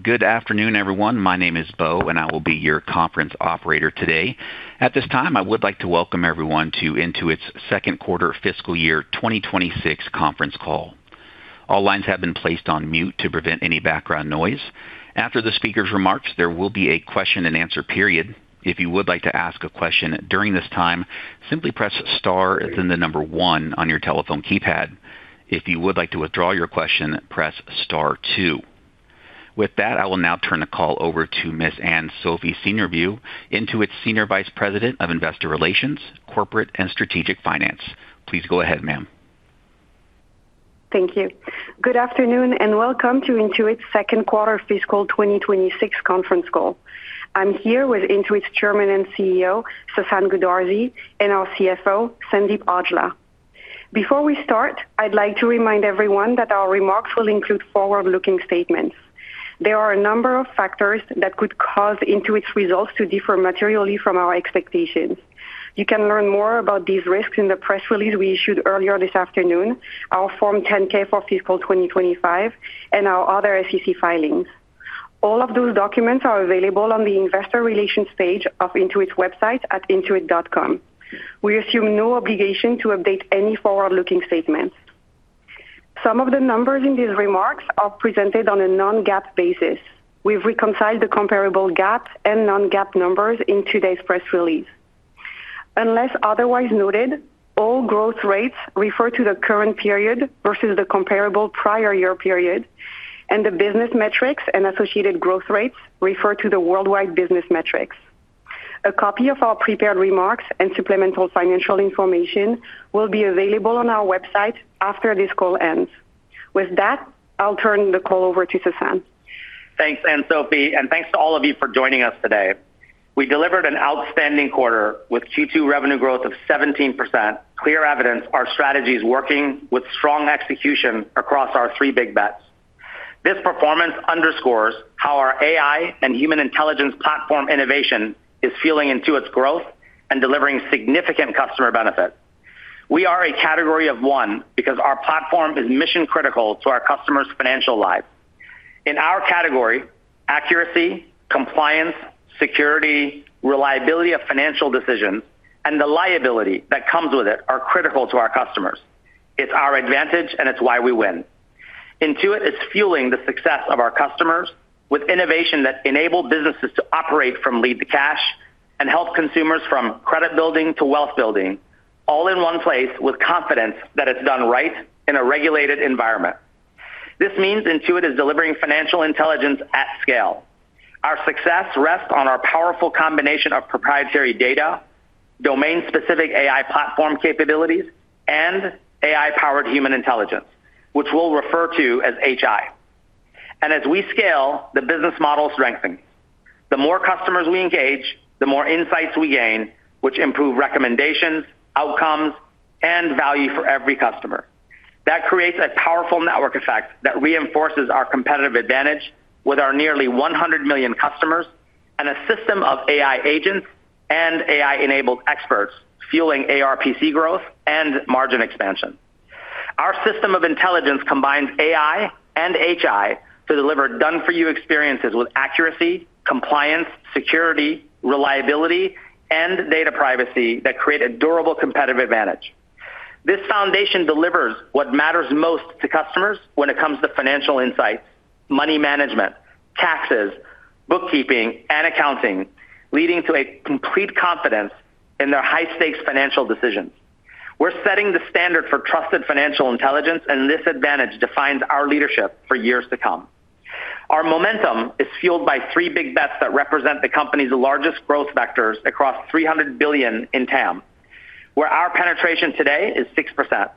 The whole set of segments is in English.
Good afternoon, everyone. My name is Beau, and I will be your conference operator today. At this time, I would like to welcome everyone to Intuit's second quarter fiscal year 2026 conference call. All lines have been placed on mute to prevent any background noise. After the speaker's remarks, there will be a question-and-answer period. If you would like to ask a question during this time, simply press star, then one on your telephone keypad. If you would like to withdraw your question, press star two. With that, I will now turn the call over to Ms. Anne-Sophie Seigneurbieux, Intuit's Senior Vice President of Investor Relations, Corporate and Strategic Finance. Please go ahead, ma'am. Thank you. Good afternoon. Welcome to Intuit's second quarter fiscal 2026 conference call. I'm here with Intuit's Chairman and CEO, Sasan Goodarzi, and our CFO, Sandeep Aujla. Before we start, I'd like to remind everyone that our remarks will include forward-looking statements. There are a number of factors that could cause Intuit's results to differ materially from our expectations. You can learn more about these risks in the press release we issued earlier this afternoon, our Form 10-K for fiscal 2025, and our other SEC filings. All of those documents are available on the Investor Relations page of Intuit's website at intuit.com. We assume no obligation to update any forward-looking statements. Some of the numbers in these remarks are presented on a non-GAAP basis. We've reconciled the comparable GAAP and non-GAAP numbers in today's press release. Unless otherwise noted, all growth rates refer to the current period versus the comparable prior year period, and the business metrics and associated growth rates refer to the worldwide business metrics. A copy of our prepared remarks and supplemental financial information will be available on our website after this call ends. With that, I'll turn the call over to Sasan. Thanks, Anne-Sophie, and thanks to all of you for joining us today. We delivered an outstanding quarter with Q2 revenue growth of 17%, clear evidence our strategy is working with strong execution across our three big bets. This performance underscores how our AI and human intelligence platform innovation is fueling Intuit's growth and delivering significant customer benefits. We are a category of one because our platform is mission-critical to our customers' financial lives. In our category, accuracy, compliance, security, reliability of financial decisions, and the liability that comes with it are critical to our customers. It's our advantage, and it's why we win. Intuit is fueling the success of our customers with innovation that enable businesses to operate from lead to cash and help consumers from credit building to wealth building, all in one place with confidence that it's done right in a regulated environment. This means Intuit is delivering financial intelligence at scale. Our success rests on our powerful combination of proprietary data, domain-specific AI platform capabilities, and AI-powered human intelligence, which we'll refer to as HI. As we scale, the business model is strengthening. The more customers we engage, the more insights we gain, which improve recommendations, outcomes, and value for every customer. That creates a powerful network effect that reinforces our competitive advantage with our nearly 100 million customers and a system of AI agents and AI-enabled experts, fueling ARPC growth and margin expansion. Our system of intelligence combines AI and HI to deliver done-for-you experiences with accuracy, compliance, security, reliability, and data privacy that create a durable competitive advantage. This foundation delivers what matters most to customers when it comes to financial insights, money management, taxes, bookkeeping, and accounting, leading to a complete confidence in their high-stakes financial decisions. We're setting the standard for trusted financial intelligence, and this advantage defines our leadership for years to come. Our momentum is fueled by three big bets that represent the company's largest growth vectors across $300 billion in TAM, where our penetration today is 6%.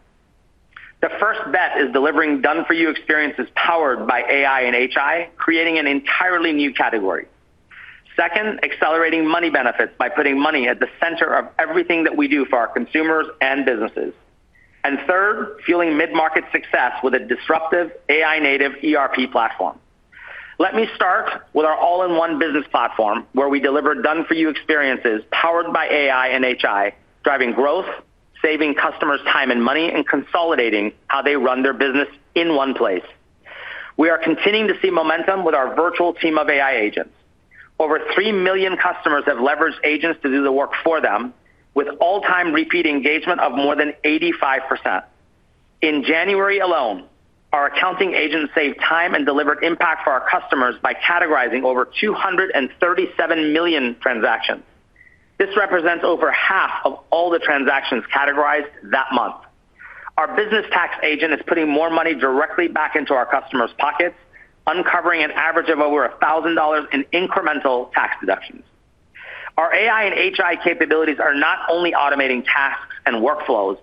The first bet is delivering done-for-you experiences powered by AI and HI, creating an entirely new category. Second, accelerating money benefits by putting money at the center of everything that we do for our consumers and businesses. Third, fueling mid-market success with a disruptive AI-native ERP platform. Let me start with our all-in-one business platform, where we deliver done-for-you experiences powered by AI and HI, driving growth, saving customers time and money, and consolidating how they run their business in one place. We are continuing to see momentum with our virtual team of AI agents. Over 3 million customers have leveraged agents to do the work for them, with all-time repeat engagement of more than 85%. In January alone, our accounting agents saved time and delivered impact for our customers by categorizing over 237 million transactions. This represents over half of all the transactions categorized that month. Our business tax agent is putting more money directly back into our customers' pockets, uncovering an average of over $1,000 in incremental tax deductions. Our AI and HI capabilities are not only automating tasks and workflows,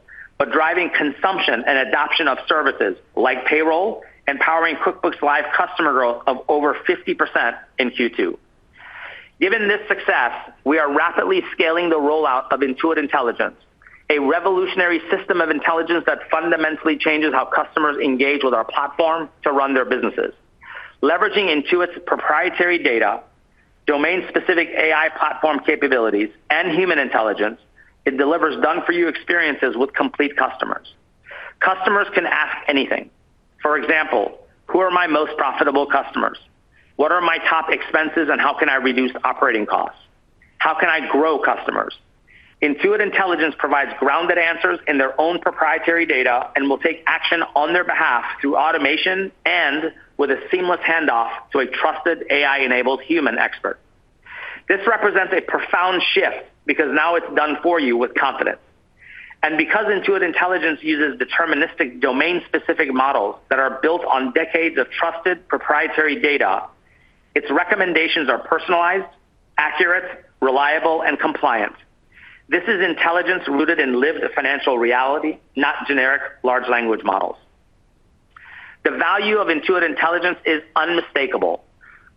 but driving consumption and adoption of services like payroll and powering QuickBooks Live customer growth of over 50% in Q2. Given this success, we are rapidly scaling the rollout of Intuit Intelligence, a revolutionary system of intelligence that fundamentally changes how customers engage with our platform to run their businesses. Leveraging Intuit's proprietary data, domain-specific AI platform capabilities, and human intelligence, it delivers done-for-you experiences with complete customers. Customers can ask anything. For example, who are my most profitable customers? What are my top expenses and how can I reduce operating costs? How can I grow customers? Intuit Intelligence provides grounded answers in their own proprietary data and will take action on their behalf through automation and with a seamless handoff to a trusted AI-enabled human expert. This represents a profound shift because now it's done for you with confidence. Because Intuit Intelligence uses deterministic domain-specific models that are built on decades of trusted proprietary data, its recommendations are personalized, accurate, reliable, and compliant. This is intelligence rooted in lived financial reality, not generic large language models. The value of Intuit Intelligence is unmistakable.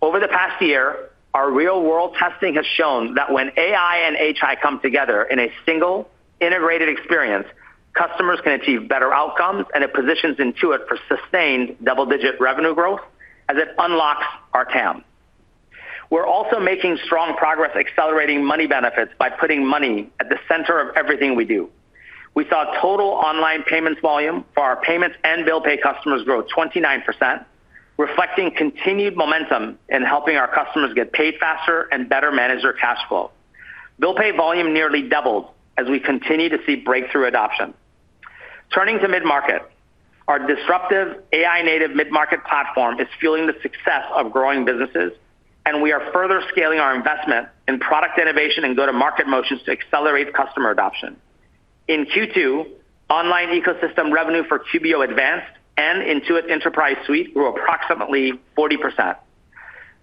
Over the past year, our real-world testing has shown that when AI and HI come together in a single integrated experience, customers can achieve better outcomes, and it positions Intuit for sustained double-digit revenue growth as it unlocks our TAM. We're also making strong progress accelerating money benefits by putting money at the center of everything we do. We saw total online payments volume for our payments and Bill Pay customers grow 29%, reflecting continued momentum in helping our customers get paid faster and better manage their cash flow. Bill Pay volume nearly doubled as we continue to see breakthrough adoption. Turning to mid-market. Our disruptive AI-native mid-market platform is fueling the success of growing businesses. We are further scaling our investment in product innovation and go-to-market motions to accelerate customer adoption. In Q2, online ecosystem revenue for QBO Advanced and Intuit Enterprise Suite grew approximately 40%.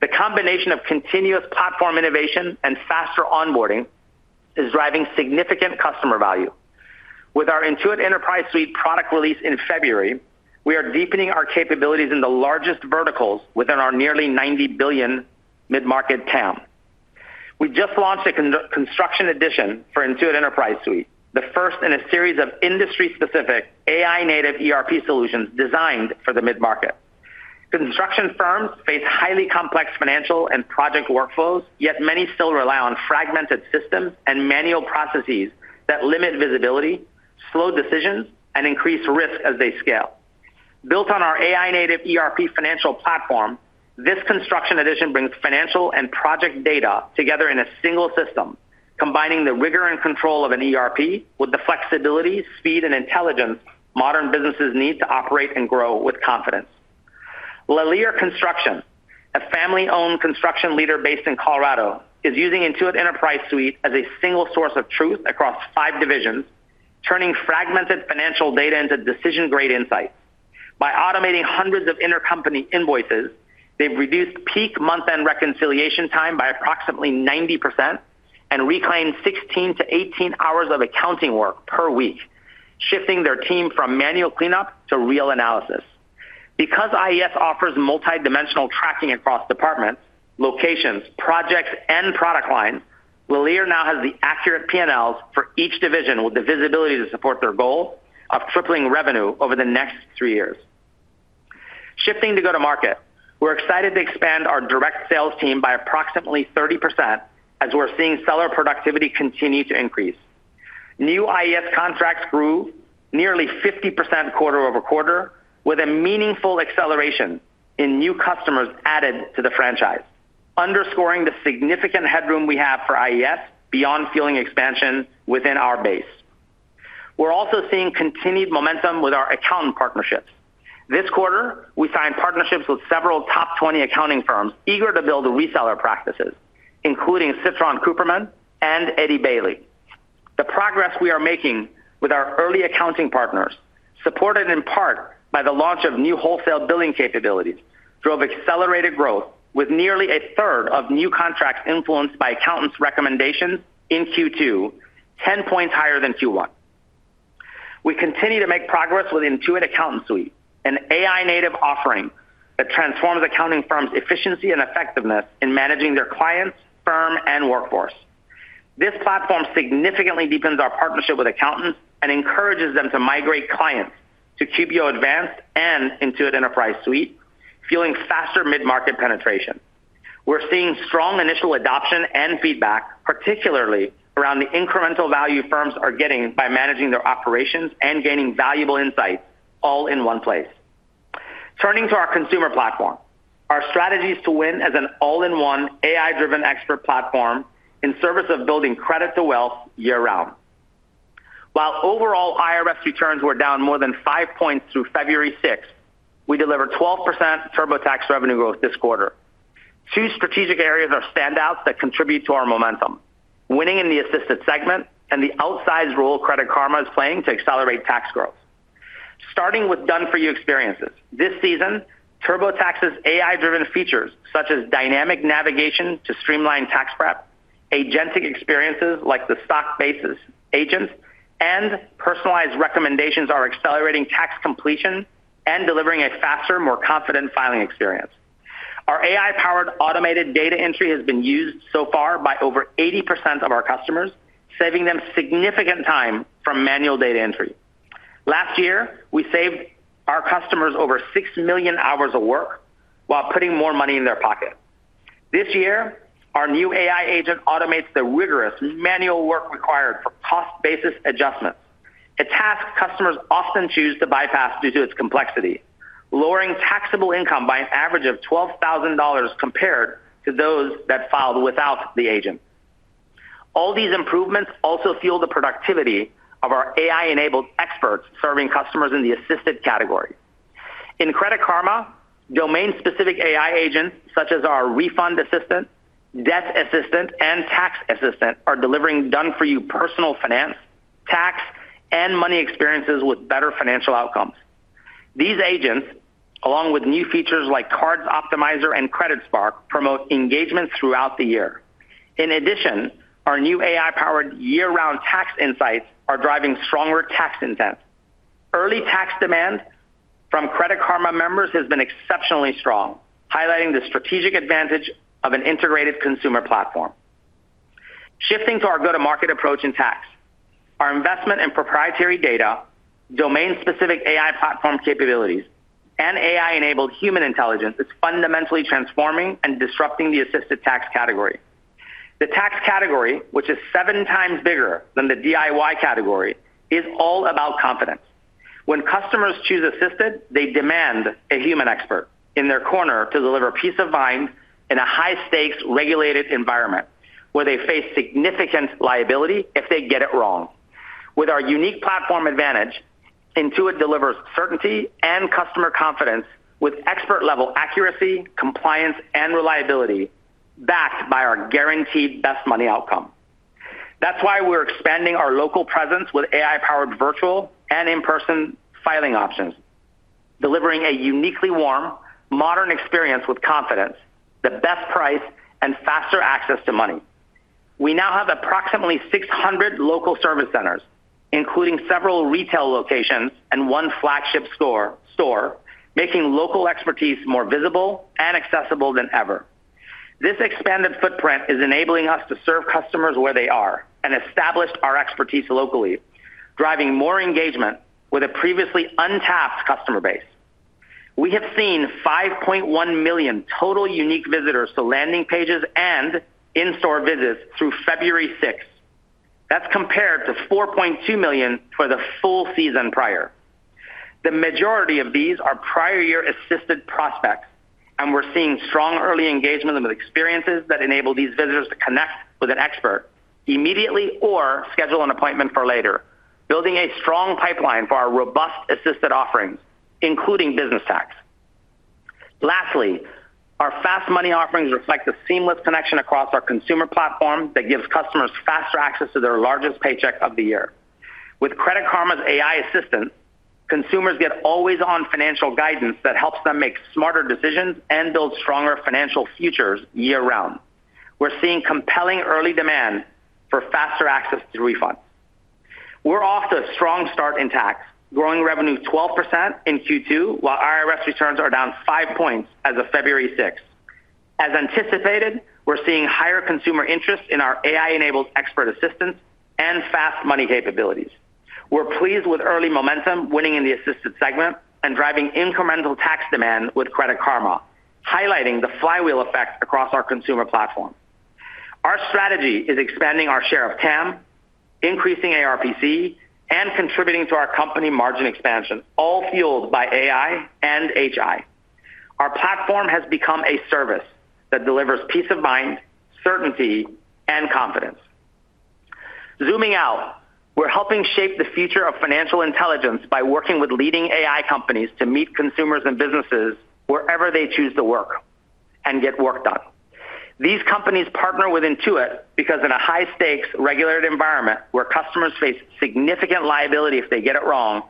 The combination of continuous platform innovation and faster onboarding is driving significant customer value. With our Intuit Enterprise Suite product release in February, we are deepening our capabilities in the largest verticals within our nearly $90 billion mid-market TAM. We just launched a construction edition for Intuit Enterprise Suite, the first in a series of industry-specific AI-native ERP solutions designed for the mid-market. Construction firms face highly complex financial and project workflows, yet many still rely on fragmented systems and manual processes that limit visibility, slow decisions, and increase risk as they scale. Built on our AI-native ERP financial platform, this construction edition brings financial and project data together in a single system, combining the rigor and control of an ERP with the flexibility, speed, and intelligence modern businesses need to operate and grow with confidence. Lallier Construction, a family-owned construction leader based in Colorado, is using Intuit Enterprise Suite as a single source of truth across five divisions, turning fragmented financial data into decision-grade insights. By automating hundreds of intercompany invoices, they've reduced peak month-end reconciliation time by approximately 90% and reclaimed 16 hours-18 hours of accounting work per week, shifting their team from manual cleanup to real analysis. Because IES offers multidimensional tracking across departments, locations, projects, and product lines, Lallier now has the accurate P&Ls for each division with the visibility to support their goal of tripling revenue over the next three years. Shifting to go-to-market. We're excited to expand our direct sales team by approximately 30% as we're seeing seller productivity continue to increase. New IES contracts grew nearly 50% quarter-over-quarter, with a meaningful acceleration in new customers added to the franchise, underscoring the significant headroom we have for IES beyond fueling expansion within our base. We're also seeing continued momentum with our accountant partnerships. This quarter, we signed partnerships with several top 20 accounting firms eager to build reseller practices, including Citrin Cooperman and Eide Bailly. The progress we are making with our early accounting partners, supported in part by the launch of new wholesale billing capabilities, drove accelerated growth with nearly 1/3 of new contracts influenced by accountants' recommendations in Q2, 10 points higher than Q1. We continue to make progress with Intuit Accountant Suite, an AI-native offering that transforms accounting firms' efficiency and effectiveness in managing their clients, firm, and workforce. This platform significantly deepens our partnership with accountants and encourages them to migrate clients to QBO Advanced and Intuit Enterprise Suite, fueling faster mid-market penetration. We're seeing strong initial adoption and feedback, particularly around the incremental value firms are getting by managing their operations and gaining valuable insights all in one place. Turning to our consumer platform. Our strategy is to win as an all-in-one AI-driven expert platform in service of building credit to wealth year-round. While overall IRS returns were down more than 5 points through February 6th, we delivered 12% TurboTax revenue growth this quarter. Two strategic areas are standouts that contribute to our momentum, winning in the assisted segment and the outsized role Credit Karma is playing to accelerate tax growth. Starting with done-for-you experiences. This season, TurboTax's AI-driven features, such as dynamic navigation to streamline tax prep, agentic experiences like the stock basis agent, and personalized recommendations are accelerating tax completion and delivering a faster, more confident filing experience. Our AI-powered automated data entry has been used so far by over 80% of our customers, saving them significant time from manual data entry. Last year, we saved customers over 6 million hours of work while putting more money in their pocket. This year, our new AI agent automates the rigorous manual work required for cost basis adjustments, a task customers often choose to bypass due to its complexity, lowering taxable income by an average of $12,000 compared to those that filed without the agent. All these improvements also fuel the productivity of our AI-enabled experts serving customers in the assisted category. In Credit Karma, domain-specific AI agents, such as our Refund Assistant, Debt Assistant, and Tax Assistant, are delivering done-for-you personal finance, tax, and money experiences with better financial outcomes. These agents, along with new features like Cards Optimizer and Credit Spark, promote engagement throughout the year. In addition, our new AI-powered year-round tax insights are driving stronger tax intent. Early tax demand from Credit Karma members has been exceptionally strong, highlighting the strategic advantage of an integrated consumer platform. Shifting to our go-to-market approach in tax, our investment in proprietary data, domain-specific AI platform capabilities, and AI-enabled human intelligence is fundamentally transforming and disrupting the assisted tax category. The tax category, which is 7x bigger than the DIY category, is all about confidence. When customers choose assisted, they demand a human expert in their corner to deliver peace of mind in a high-stakes, regulated environment, where they face significant liability if they get it wrong. With our unique platform advantage, Intuit delivers certainty and customer confidence with expert-level accuracy, compliance, and reliability, backed by our guaranteed best money outcome. That's why we're expanding our local presence with AI-powered virtual and in-person filing options, delivering a uniquely warm, modern experience with confidence, the best price, and faster access to money. We now have approximately 600 local service centers, including several retail locations and one flagship store, making local expertise more visible and accessible than ever. This expanded footprint is enabling us to serve customers where they are and establish our expertise locally, driving more engagement with a previously untapped customer base. We have seen 5.1 million total unique visitors to landing pages and in-store visits through February 6th. That's compared to 4.2 million for the full season prior. The majority of these are prior year assisted prospects. We're seeing strong early engagement with experiences that enable these visitors to connect with an expert immediately or schedule an appointment for later, building a strong pipeline for our robust assisted offerings, including business tax. Lastly, our fast money offerings reflect a seamless connection across our consumer platform that gives customers faster access to their largest paycheck of the year. With Credit Karma's AI assistant, consumers get always-on financial guidance that helps them make smarter decisions and build stronger financial futures year-round. We're seeing compelling early demand for faster access to refunds. We're off to a strong start in tax, growing revenue 12% in Q2, while IRS returns are down five points as of February 6th. As anticipated, we're seeing higher consumer interest in our AI-enabled expert assistants and fast money capabilities. We're pleased with early momentum, winning in the assisted segment and driving incremental tax demand with Credit Karma, highlighting the flywheel effect across our consumer platform. Our strategy is expanding our share of TAM, increasing ARPC, and contributing to our company margin expansion, all fueled by AI and HI. Our platform has become a service that delivers peace of mind, certainty, and confidence. Zooming out, we're helping shape the future of financial intelligence by working with leading AI companies to meet consumers and businesses wherever they choose to work and get work done. These companies partner with Intuit because in a high-stakes, regulated environment where customers face significant liability if they get it wrong,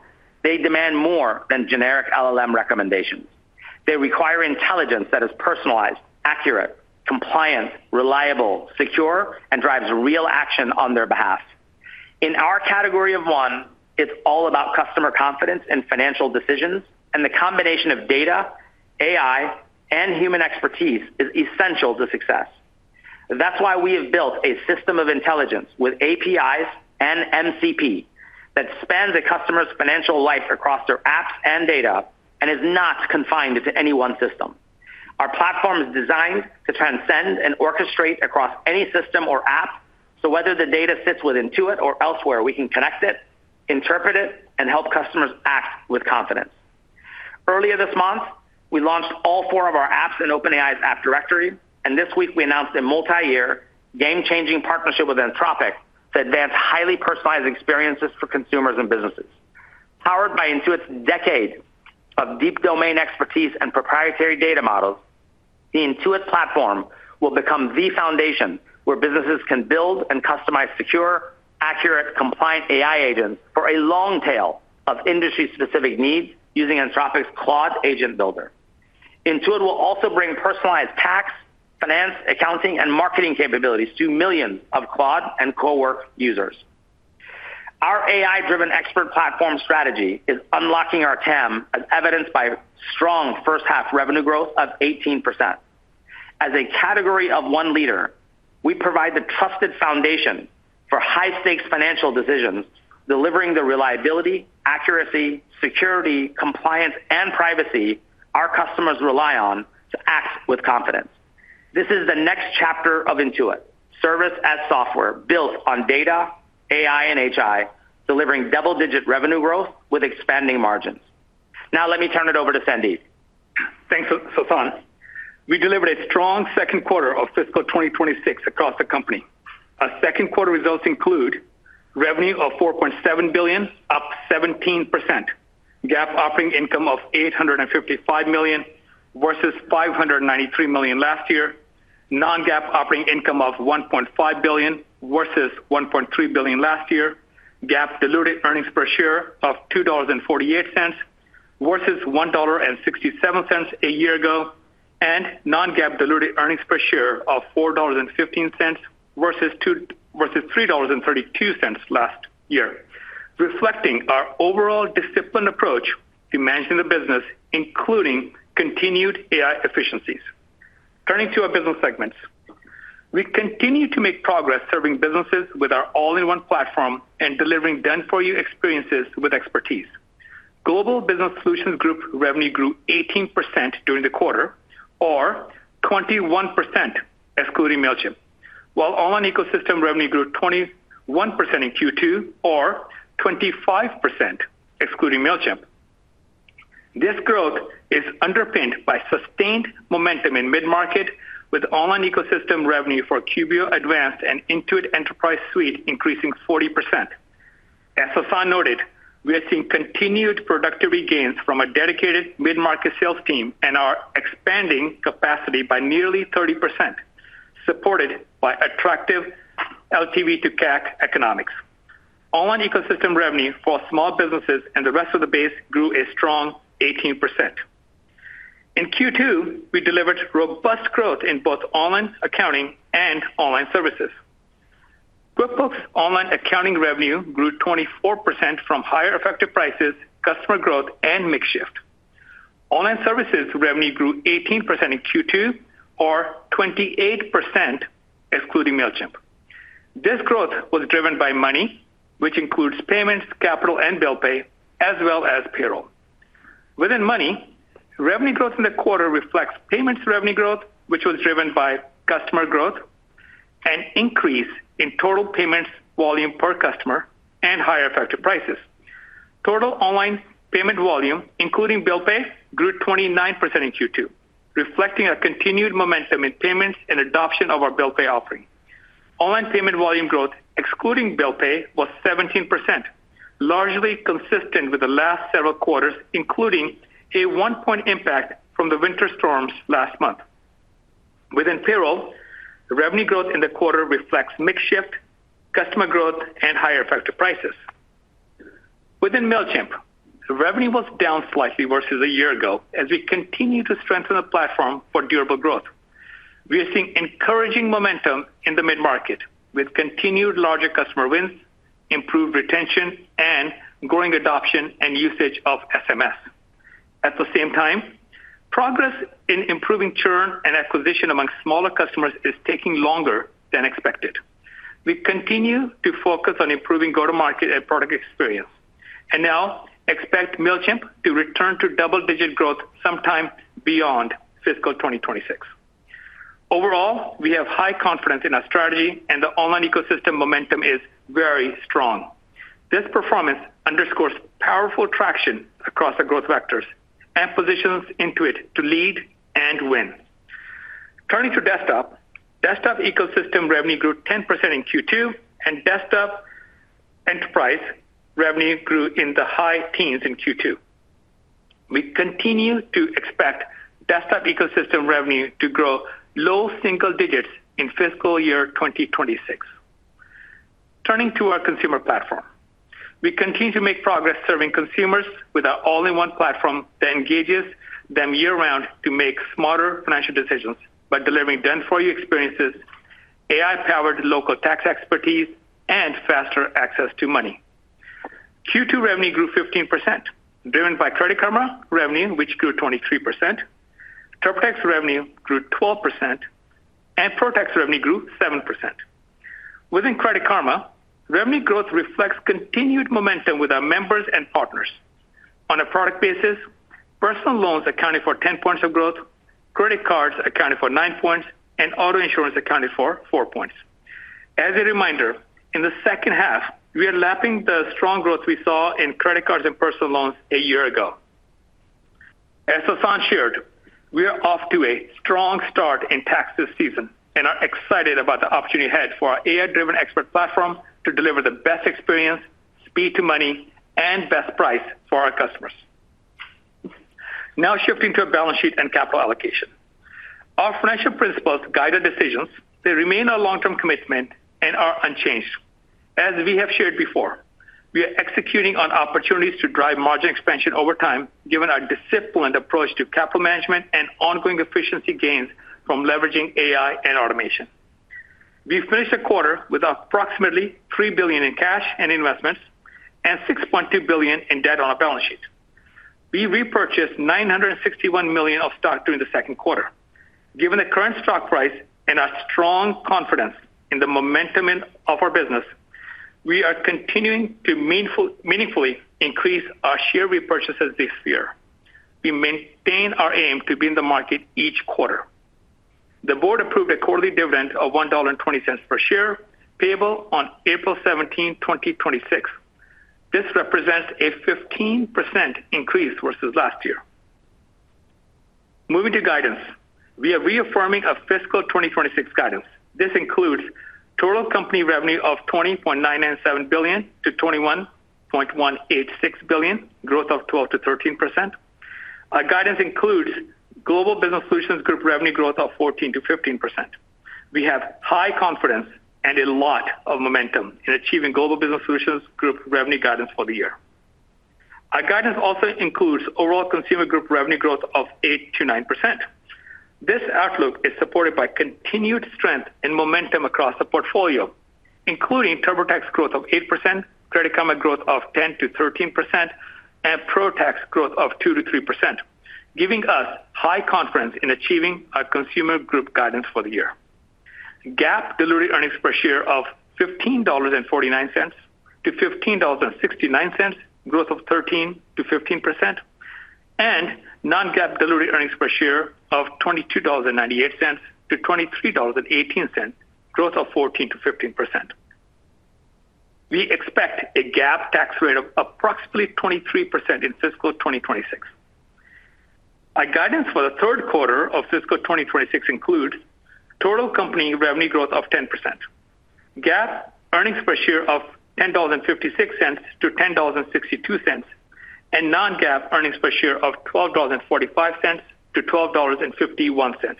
they demand more than generic LLM recommendations. They require intelligence that is personalized, accurate, compliant, reliable, secure, and drives real action on their behalf. In our category of one, it's all about customer confidence in financial decisions, and the combination of data, AI, and human expertise is essential to success. That's why we have built a system of intelligence with APIs and MCP that spans a customer's financial life across their apps and data and is not confined to any one system. Our platform is designed to transcend and orchestrate across any system or app, so whether the data sits with Intuit or elsewhere, we can connect it, interpret it, and help customers act with confidence. Earlier this month, we launched all four of our apps in OpenAI's app directory, and this week we announced a multiyear, game-changing partnership with Anthropic to advance highly personalized experiences for consumers and businesses. Powered by Intuit's decade of deep domain expertise and proprietary data models, the Intuit platform will become the foundation where businesses can build and customize secure, accurate, compliant AI agents for a long tail of industry-specific needs using Anthropic's Claude Agent Builder. Intuit will also bring personalized tax, finance, accounting, and marketing capabilities to millions of Claude Cowork users. Our AI-driven expert platform strategy is unlocking our TAM, as evidenced by strong first half revenue growth of 18%. As a category of one leader, we provide the trusted foundation for high-stakes financial decisions, delivering the reliability, accuracy, security, compliance, and privacy our customers rely on to act with confidence. This is the next chapter of Intuit, Service as a Software built on data, AI, and HI, delivering double-digit revenue growth with expanding margins. Now, let me turn it over to Sandeep. Thanks, Sasan. We delivered a strong second quarter of fiscal 2026 across the company. Our second quarter results include revenue of $4.7 billion, up 17%. GAAP operating income of $855 million versus $593 million last year. Non-GAAP operating income of $1.5 billion versus $1.3 billion last year. GAAP diluted earnings per share of $2.48 versus $1.67 a year ago, and non-GAAP diluted earnings per share of $4.15 versus $3.32 last year, reflecting our overall disciplined approach to managing the business, including continued AI efficiencies. Turning to our business segments. We continue to make progress serving businesses with our all-in-one platform and delivering done-for-you experiences with expertise. Global Business Solutions Group revenue grew 18% during the quarter, or 21%, excluding Mailchimp, while online ecosystem revenue grew 21% in Q2, or 25%, excluding Mailchimp. This growth is underpinned by sustained momentum in mid-market, with online ecosystem revenue for QBO Advanced and Intuit Enterprise Suite increasing 40%. As Sasan noted, we are seeing continued productivity gains from a dedicated mid-market sales team and are expanding capacity by nearly 30%, supported by attractive LTV to CAC economics. Online ecosystem revenue for small businesses and the rest of the base grew a strong 18%. In Q2, we delivered robust growth in both online accounting and online services. QuickBooks Online accounting revenue grew 24% from higher effective prices, customer growth, and mix shift. Online services revenue grew 18% in Q2, or 28%, excluding Mailchimp. This growth was driven by money, which includes payments, capital, and Bill Pay, as well as payroll. Within Money, revenue growth in the quarter reflects payments revenue growth, which was driven by customer growth and increase in total payments volume per customer and higher effective prices. Total online payment volume, including Bill Pay, grew 29% in Q2, reflecting a continued momentum in payments and adoption of our Bill Pay offering. Online payment volume growth, excluding Bill Pay, was 17%, largely consistent with the last several quarters, including a 1-point impact from the winter storms last month. Within Payroll, the revenue growth in the quarter reflects mix shift, customer growth, and higher effective prices. Within Mailchimp, revenue was down slightly versus a year ago, as we continue to strengthen the platform for durable growth. We are seeing encouraging momentum in the mid-market, with continued larger customer wins, improved retention, and growing adoption and usage of SMS. At the same time, progress in improving churn and acquisition amongst smaller customers is taking longer than expected. We continue to focus on improving go-to-market and product experience. Now expect Mailchimp to return to double-digit growth sometime beyond fiscal 2026. Overall, we have high confidence in our strategy. The online ecosystem momentum is very strong. This performance underscores powerful traction across the growth vectors and positions Intuit to lead and win. Turning to Desktop. Desktop ecosystem revenue grew 10% in Q2. Desktop Enterprise revenue grew in the high teens in Q2. We continue to expect Desktop ecosystem revenue to grow low single digits in fiscal year 2026. Turning to our consumer platform. We continue to make progress serving consumers with our all-in-one platform that engages them year-round to make smarter financial decisions by delivering done-for-you experiences, AI-powered local tax expertise, and faster access to money. Q2 revenue grew 15%, driven by Credit Karma revenue, which grew 23%. TurboTax revenue grew 12%, and ProTax revenue grew 7%. Within Credit Karma, revenue growth reflects continued momentum with our members and partners. On a product basis, personal loans accounted for 10 points of growth, credit cards accounted for 9 points, and auto insurance accounted for 4 points. As a reminder, in the second half, we are lapping the strong growth we saw in credit cards and personal loans a year ago. As Sasan shared, we are off to a strong start in tax this season and are excited about the opportunity ahead for our AI-driven expert platform to deliver the best experience, speed to money, and best price for our customers. Shifting to our balance sheet and capital allocation. Our financial principles guide our decisions. They remain our long-term commitment and are unchanged. As we have shared before, we are executing on opportunities to drive margin expansion over time, given our disciplined approach to capital management and ongoing efficiency gains from leveraging AI and automation. We finished the quarter with approximately $3 billion in cash and investments, and $6.2 billion in debt on our balance sheet. We repurchased $961 million of stock during the second quarter. Given the current stock price and our strong confidence in the momentum of our business, we are continuing to meaningfully increase our share repurchases this year. We maintain our aim to be in the market each quarter. The board approved a quarterly dividend of $1.20 per share, payable on April 17, 2026. This represents a 15% increase versus last year. Moving to guidance, we are reaffirming our fiscal 2026 guidance. This includes total company revenue of $20.997 billion-$21.186 billion, growth of 12%-13%. Our guidance includes Global Business Solutions Group revenue growth of 14%-15%. We have high confidence and a lot of momentum in achieving Global Business Solutions Group revenue guidance for the year. Our guidance also includes overall Consumer Group revenue growth of 8%-9%. This outlook is supported by continued strength and momentum across the portfolio, including TurboTax growth of 8%, Credit Karma growth of 10%-13%, and ProTax growth of 2%-3%, giving us high confidence in achieving our Consumer Group guidance for the year. GAAP diluted earnings per share of $15.49-$15.69, growth of 13%-15%, and non-GAAP diluted earnings per share of $22.98-$23.18, growth of 14%-15%. We expect a GAAP tax rate of approximately 23% in fiscal 2026. Our guidance for the third quarter of fiscal 2026 include total company revenue growth of 10%, GAAP earnings per share of $10.56-$10.62, and non-GAAP earnings per share of $12.45-$12.51.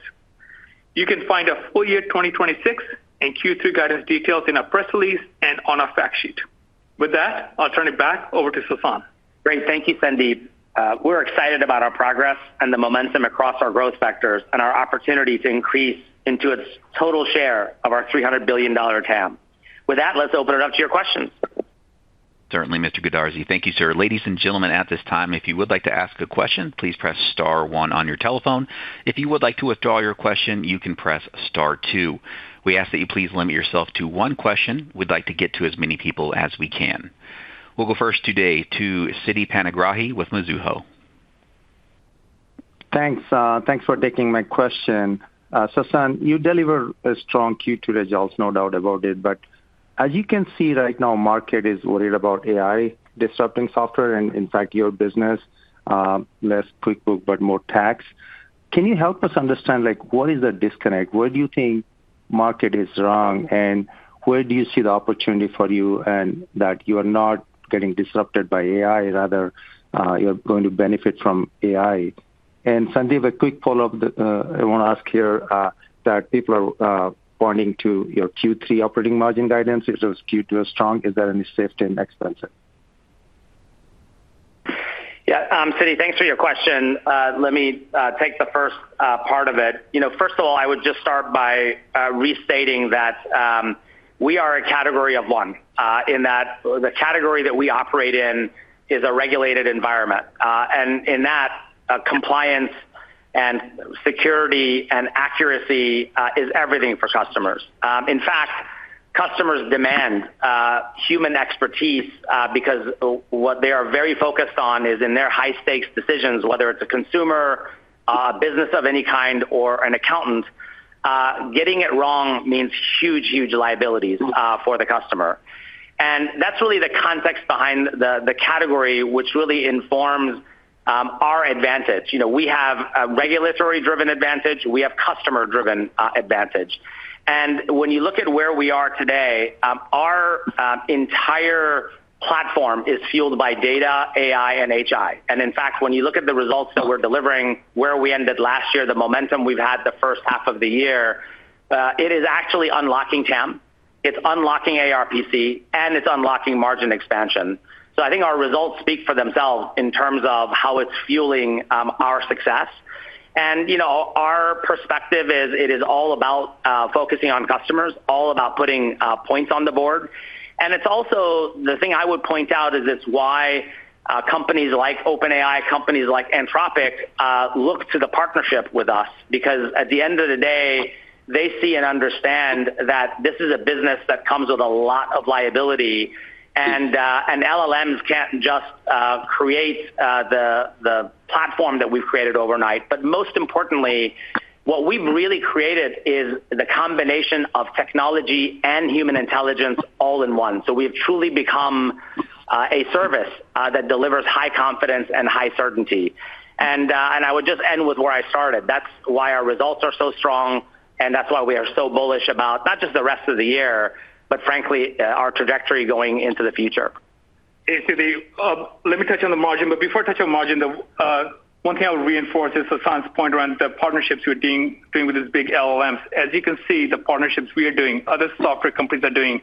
You can find our full year 2026 and Q2 guidance details in our press release and on our fact sheet. With that, I'll turn it back over to Sasan. Great. Thank you, Sandeep. We're excited about our progress and the momentum across our growth vectors and our opportunity to increase Intuit's total share of our $300 billion TAM. With that, let's open it up to your questions. Certainly, Mr. Goodarzi. Thank you, sir. Ladies and gentlemen, at this time, if you would like to ask a question, please press star one on your telephone. If you would like to withdraw your question, you can press star two. We ask that you please limit yourself to one question. We'd like to get to as many people as we can. We'll go first today to Siti Panigrahi with Mizuho. Thanks, thanks for taking my question. Sasan, you delivered a strong Q2 results, no doubt about it, but as you can see right now, market is worried about AI disrupting software and, in fact, your business, less QuickBooks, but more tax. Can you help us understand, like, what is the disconnect? Where do you think market is wrong, and where do you see the opportunity for you, and that you are not getting disrupted by AI, rather, you're going to benefit from AI? Sandeep, a quick follow-up that I want to ask here, that people are pointing to your Q3 operating margin guidance versus Q2 strong. Is there any safety and expansion? Yeah, Siti, thanks for your question. Let me take the first part of it. You know, first of all, I would just start by restating that we are a category of one in that the category that we operate in is a regulated environment, and in that, compliance and security and accuracy is everything for customers. In fact, customers demand human expertise because what they are very focused on is in their high-stakes decisions, whether it's a consumer, business of any kind, or an accountant, getting it wrong means huge, huge liabilities for the customer. That's really the context behind the category, which really informs our advantage. You know, we have a regulatory-driven advantage, we have customer-driven advantage. When you look at where we are today, our entire platform is fueled by data, AI, and HI. In fact, when you look at the results that we're delivering, where we ended last year, the momentum we've had the first half of the year, it is actually unlocking TAM, it's unlocking ARPC, and it's unlocking margin expansion. I think our results speak for themselves in terms of how it's fueling, our success. You know, our perspective is it is all about focusing on customers, all about putting points on the board. It's also the thing I would point out is it's why companies like OpenAI, companies like Anthropic, look to the partnership with us, because at the end of the day, they see and understand that this is a business that comes with a lot of liability, and LLMs can't just create the platform that we've created overnight. Most importantly, what we've really created is the combination of technology and human intelligence all in one. We've truly become a service that delivers high confidence and high certainty. I would just end with where I started. That's why our results are so strong, and that's why we are so bullish about not just the rest of the year, but frankly, our trajectory going into the future. Siti, let me touch on the margin, but before I touch on margin, the one thing I would reinforce is Sasan's point around the partnerships we're doing with these big LLMs. As you can see, the partnerships we are doing, other software companies are doing.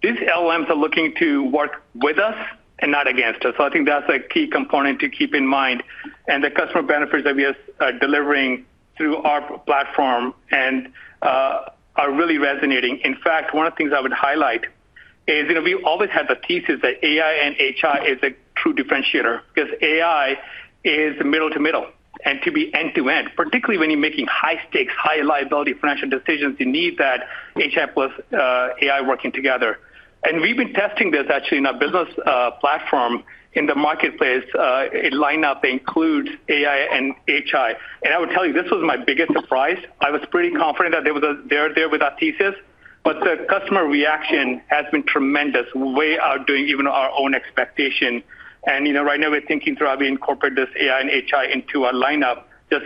These LLMs are looking to work with us and not against us. I think that's a key component to keep in mind. The customer benefits that we are delivering through our platform and are really resonating. In fact, one of the things I would highlight is, you know, we always had the thesis that AI and HI is a true differentiator because AI is middle to middle and to be end to end, particularly when you're making high stakes, high liability financial decisions, you need that HI plus AI working together. We've been testing this actually in our business platform in the marketplace, a lineup includes AI and HI. I would tell you, this was my biggest surprise. I was pretty confident that they were there with our thesis, but the customer reaction has been tremendous. Way outdoing even our own expectation. You know, right now we're thinking through how we incorporate this AI and HI into our lineup just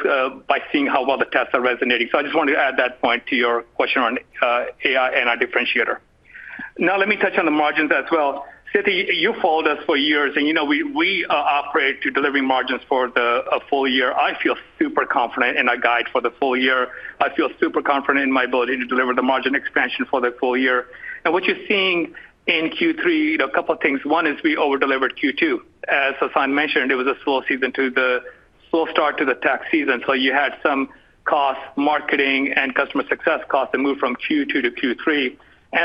by seeing how well the tests are resonating. I just wanted to add that point to your question on AI and our differentiator. Now, let me touch on the margins as well. Siti, you followed us for years, and you know we operate to delivering margins for the full year. I feel super confident in our guide for the full year. I feel super confident in my ability to deliver the margin expansion for the full year. What you're seeing in Q3, a couple of things. One is we over-delivered Q2. As Sasan mentioned, it was a slow season to the slow start to the tax season, so you had some cost marketing and customer success costs that moved from Q2 to Q3.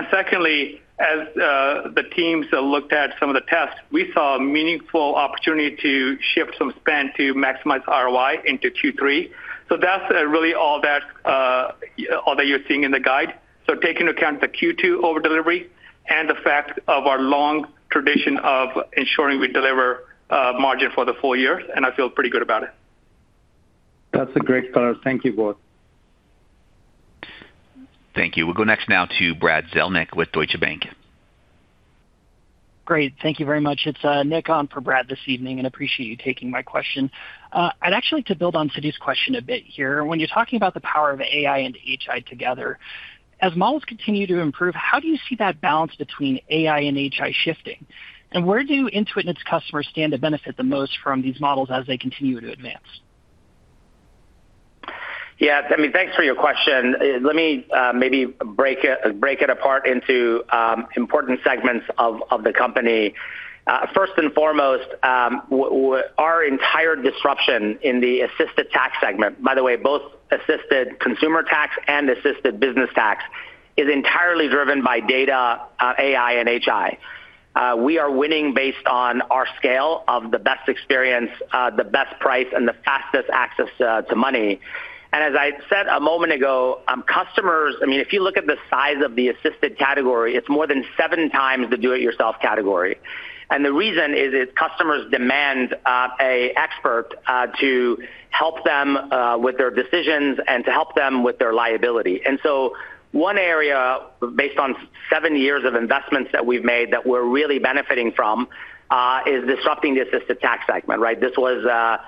Secondly, as the teams looked at some of the tests, we saw a meaningful opportunity to shift some spend to maximize ROI into Q3. That's really all that all that you're seeing in the guide. Take into account the Q2 over delivery and the fact of our long tradition of ensuring we deliver margin for the full year, and I feel pretty good about it. That's a great color. Thank you both. Thank you. We'll go next now to Brad Zelnick with Deutsche Bank. Great. Thank you very much. It's Nick on for Brad this evening. Appreciate you taking my question. I'd actually like to build on Siti's question a bit here. When you're talking about the power of AI and HI together, as models continue to improve, how do you see that balance between AI and HI shifting? Where do Intuit and its customers stand to benefit the most from these models as they continue to advance? Yeah, I mean, thanks for your question. Let me, maybe break it apart into important segments of the company. First and foremost, our entire disruption in the assisted tax segment, by the way, both assisted consumer tax and assisted business tax, is entirely driven by data, AI and HI. We are winning based on our scale of the best experience, the best price, and the fastest access to money. As I said a moment ago, I mean, if you look at the size of the assisted category, it's more than 7x the do-it-yourself category. The reason is customers demand an expert to help them with their decisions and to help them with their liability. One area, based on seven years of investments that we've made that we're really benefiting from, is disrupting the assisted tax segment, right. This was a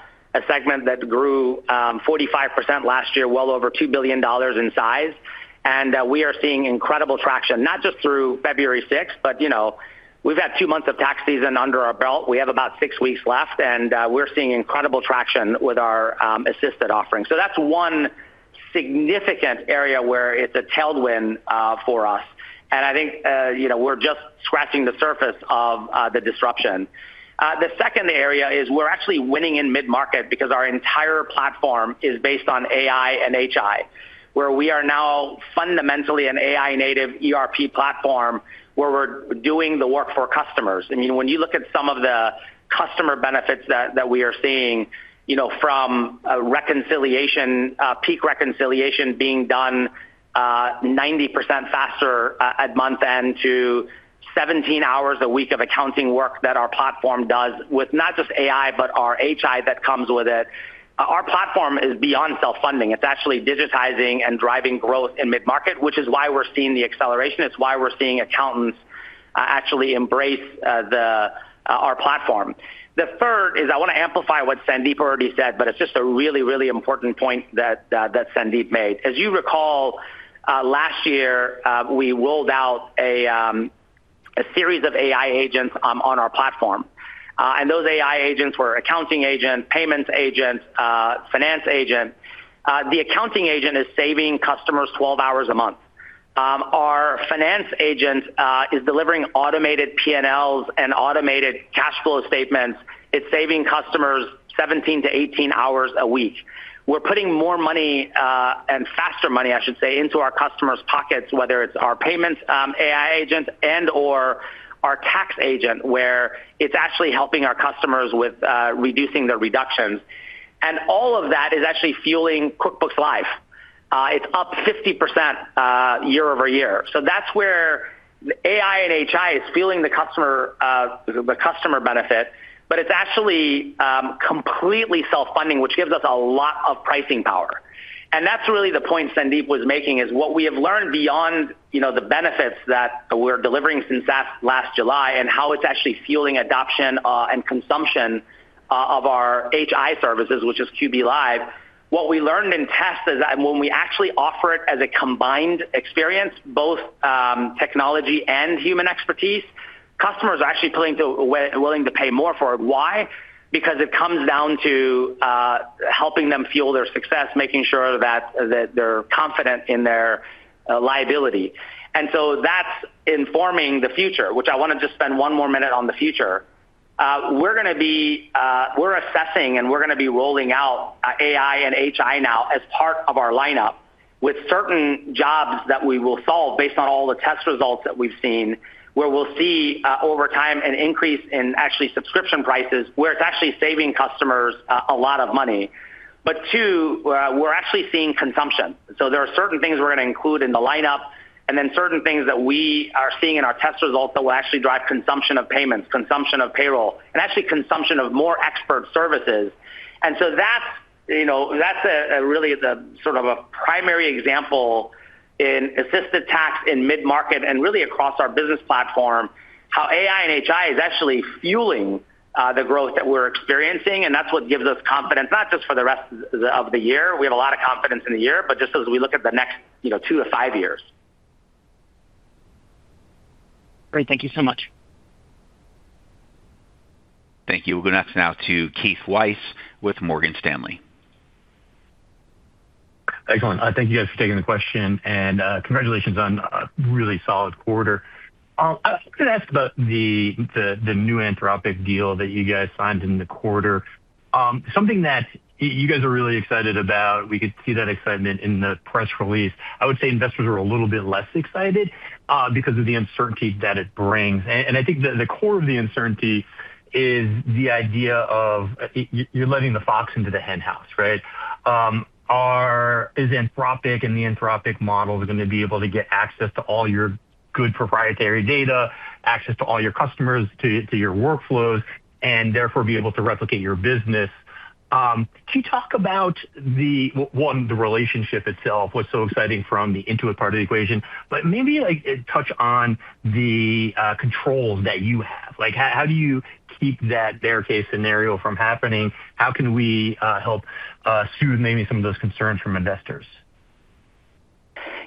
segment that grew 45% last year, well over $2 billion in size. We are seeing incredible traction, not just through February 6th, but, you know, we've had two months of tax season under our belt. We have about six weeks left. We're seeing incredible traction with our assisted offerings. That's one significant area where it's a tailwind for us. I think, you know, we're just scratching the surface of the disruption. The second area is we're actually winning in mid-market because our entire platform is based on AI and HI, where we are now fundamentally an AI-native ERP platform, where we're doing the work for customers. I mean, when you look at some of the customer benefits that we are seeing, you know, from a reconciliation, peak reconciliation being done, 90% faster at month end to 17 hours a week of accounting work that our platform does with not just AI, but our HI that comes with it. Our platform is beyond self-funding. It's actually digitizing and driving growth in mid-market, which is why we're seeing the acceleration. It's why we're seeing accountants actually embrace the our platform. The third is I want to amplify what Sandeep already said, but it's just a really, really important point that Sandeep made. As you recall, last year, we rolled out a series of AI agents on our platform. Those AI agents were accounting agent, payments agent, finance agent. The accounting agent is saving customers 12 hours a month. Our finance agent is delivering automated P&Ls and automated cash flow statements. It's saving customers 17-18 hours a week. We're putting more money, and faster money, I should say, into our customers' pockets, whether it's our payments, AI agent and or our tax agent, where it's actually helping our customers with reducing their reductions. All of that is actually fueling QuickBooks Live. It's up 50% year-over-year. That's where AI and HI is fueling the customer benefit, but it's actually completely self-funding, which gives us a lot of pricing power. That's really the point Sandeep was making, is what we have learned beyond, you know, the benefits that we're delivering since last July and how it's actually fueling adoption and consumption of our HI services, which is QB Live. What we learned in tests is that when we actually offer it as a combined experience, both technology and human expertise, customers are actually willing to pay more for it. Why? Because it comes down to helping them fuel their success, making sure that they're confident in their liability. That's informing the future, which I want to just spend one more minute on the future. We're going to be, we're assessing, and we're going to be rolling out AI and HI now as part of our lineup with certain jobs that we will solve based on all the test results that we've seen, where we'll see over time, an increase in actually subscription prices, where it's actually saving customers a lot of money. Two, we're actually seeing consumption. There are certain things we're going to include in the lineup, and then certain things that we are seeing in our test results that will actually drive consumption of payments, consumption of payroll, and actually consumption of more expert services. That's, you know, that's a really the sort of a primary example in assisted tax, in mid-market, and really across our business platform, how AI and HI is actually fueling the growth that we're experiencing, and that's what gives us confidence, not just for the rest of the year, we have a lot of confidence in the year, but just as we look at the next, you know, two to five years. Great. Thank you so much. Thank you. We'll go next now to Keith Weiss with Morgan Stanley. Excellent. Thank you guys for taking the question, and congratulations on a really solid quarter. I was going to ask about the new Anthropic deal that you guys signed in the quarter. Something that you guys are really excited about. We could see that excitement in the press release. I would say investors are a little bit less excited, I think the core of the uncertainty is the idea of you're letting the fox into the henhouse, right? Is Anthropic and the Anthropic models going to be able to get access to all your good proprietary data, access to all your customers, to your workflows, and therefore be able to replicate your business? Can you talk about the one, the relationship itself, what's so exciting from the Intuit part of the equation? Maybe, like, touch on the controls that you have? Like, how do you keep that bear case scenario from happening? How can we help soothe maybe some of those concerns from investors?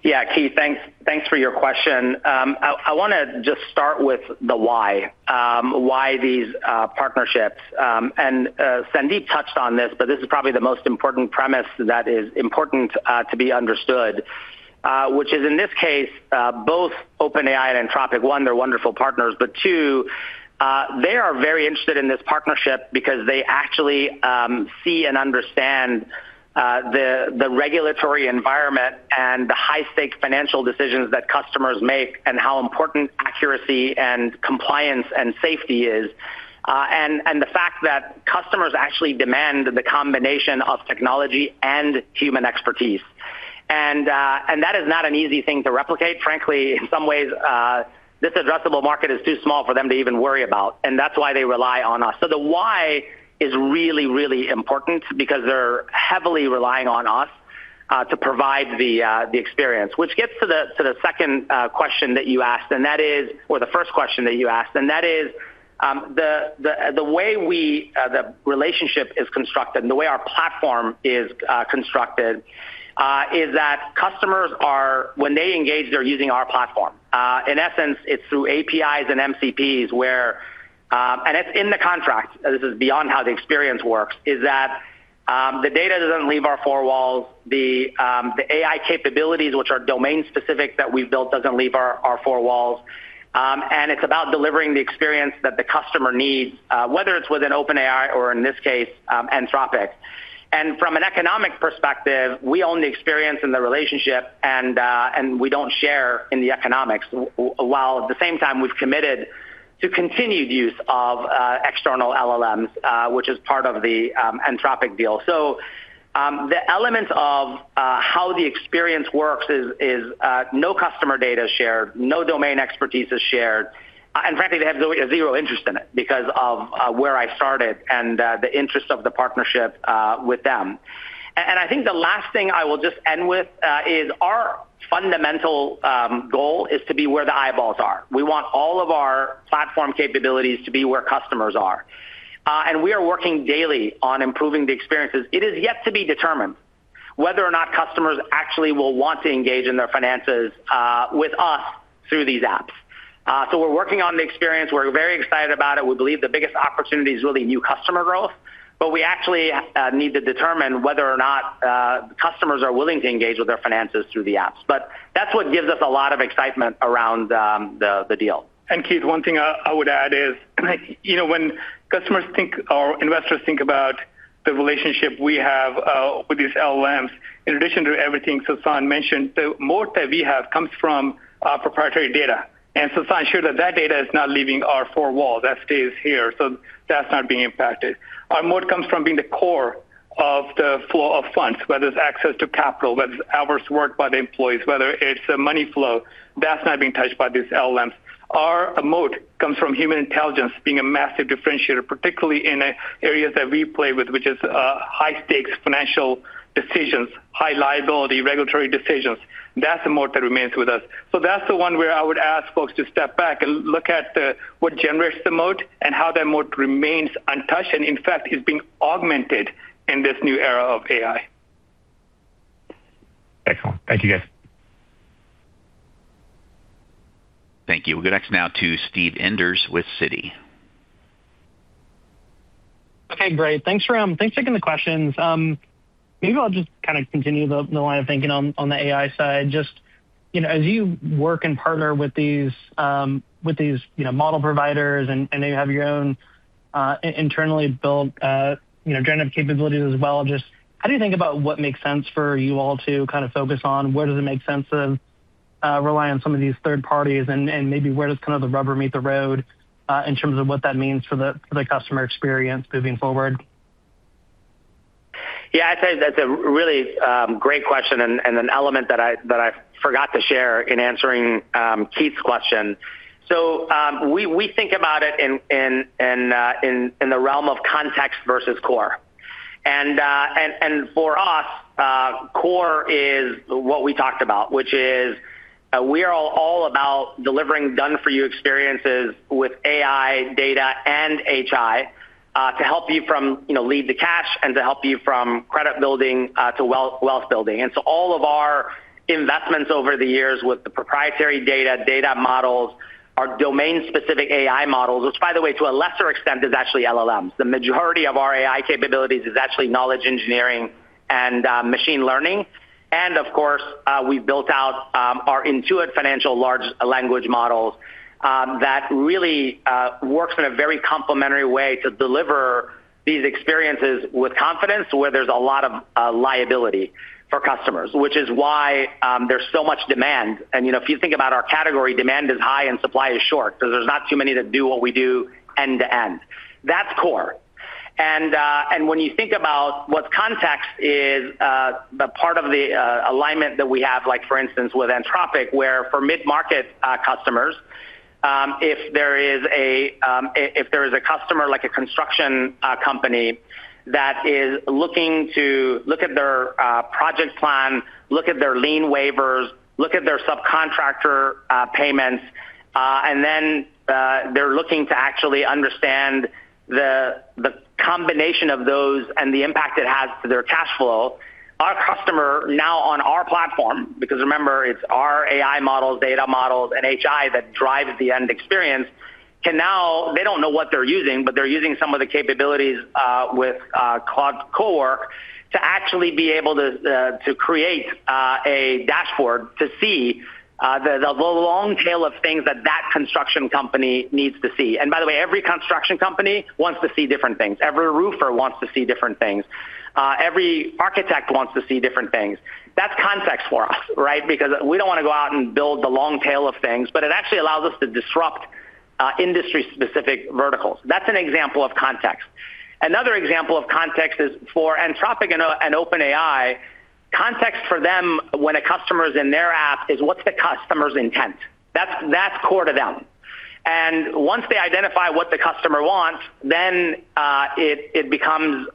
Keith, thanks for your question. I want to just start with the why these partnerships. Sandeep touched on this, but this is probably the most important premise that is important to be understood, which is in this case both OpenAI and Anthropic. One, they're wonderful partners, but two, they are very interested in this partnership because they actually see and understand the regulatory environment and the high-stake financial decisions that customers make and how important accuracy and compliance and safety is, and the fact that customers actually demand the combination of technology and human expertise. That is not an easy thing to replicate. Frankly, in some ways, this addressable market is too small for them to even worry about, and that's why they rely on us. The why is really, really important because they're heavily relying on us, to provide the experience, which gets to the second question that you asked, and that is, or the first question that you asked, and that is, the way we, the relationship is constructed and the way our platform is constructed, is that customers when they engage, they're using our platform. In essence, it's through APIs and MCPs, where, and it's in the contract, this is beyond how the experience works, is that the data doesn't leave our four walls. The AI capabilities, which are domain-specific that we've built, doesn't leave our four walls. And it's about delivering the experience that the customer needs, whether it's with an OpenAI or, in this case, Anthropic. From an economic perspective, we own the experience and the relationship, and we don't share in the economics, while at the same time, we've committed to continued use of external LLMs, which is part of the Anthropic deal. The elements of how the experience works is no customer data is shared, no domain expertise is shared, and frankly, they have zero interest in it because of where I started and the interest of the partnership with them. I think the last thing I will just end with is our fundamental goal is to be where the eyeballs are. We want all of our platform capabilities to be where customers are, and we are working daily on improving the experiences. It is yet to be determined whether or not customers actually will want to engage in their finances with us through these apps. We're working on the experience. We're very excited about it. We believe the biggest opportunity is really new customer growth. We actually need to determine whether or not customers are willing to engage with their finances through the apps. That's what gives us a lot of excitement around the deal. Keith, one thing I would add is, you know, when customers think or investors think about the relationship we have with these LLMs, in addition to everything Sasan mentioned, the moat that we have comes from proprietary data, Sasan assured that that data is not leaving our four walls. That stays here, so that's not being impacted. Our moat comes from being the core of the flow of funds, whether it's access to capital, whether it's hours worked by the employees, whether it's the money flow, that's not being touched by these LLMs. Our moat comes from human intelligence being a massive differentiator, particularly in areas that we play with, which is high-stakes financial decisions, high liability, regulatory decisions. That's the moat that remains with us. That's the one where I would ask folks to step back and look at what generates the moat and how that moat remains untouched, and in fact, is being augmented in this new era of AI. Thank you, guys. Thank you. We'll go next now to Steve Enders with Citi. Okay, great. Thanks for, thanks for taking the questions. Maybe I'll just kind of continue the line of thinking on the AI side. Just, you know, as you work and partner with these, you know, model providers and then you have your own, internally built, you know, generative capabilities as well. Just how do you think about what makes sense for you all to kind of focus on? Where does it make sense to rely on some of these third parties? Maybe where does kind of the rubber meet the road in terms of what that means for the customer experience moving forward? Yeah, I'd say that's a really great question and an element that I forgot to share in answering Keith's question. We think about it in the realm of context versus core. For us, core is what we talked about, which is, we are all about delivering done-for-you experiences with AI, data, and HI to help you from, you know, lead to cash and to help you from credit building to wealth building. All of our investments over the years with the proprietary data models are domain-specific AI models, which by the way, to a lesser extent, is actually LLMs. The majority of our AI capabilities is actually knowledge engineering and machine learning. Of course, we've built out our Intuit financial large language models that really works in a very complementary way to deliver these experiences with confidence to where there's a lot of liability for customers, which is why there's so much demand. You know, if you think about our category, demand is high and supply is short because there's not too many that do what we do end to end. That's core. When you think about what context is, the part of the alignment that we have, like for instance with Anthropic, where for mid-market customers, if there is a customer like a construction company that is looking to look at their project plan, look at their lien waivers, look at their subcontractor payments, and then they're looking to actually understand the combination of those and the impact it has to their cash flow. Our customer now on our platform, because remember it's our AI models, data models, and HI that drives the end experience, They don't know what they're using, but they're using some of the capabilities with Claude Cowork to actually be able to create a dashboard to see the long tail of things that construction company needs to see. By the way, every construction company wants to see different things. Every roofer wants to see different things. Every architect wants to see different things. That's context for us, right? Because we don't wanna go out and build the long tail of things, but it actually allows us to disrupt industry-specific verticals. That's an example of context. Another example of context is for Anthropic and OpenAI, context for them when a customer's in their app is what's the customer's intent? That's core to them. Once they identify what the customer wants, then it becomes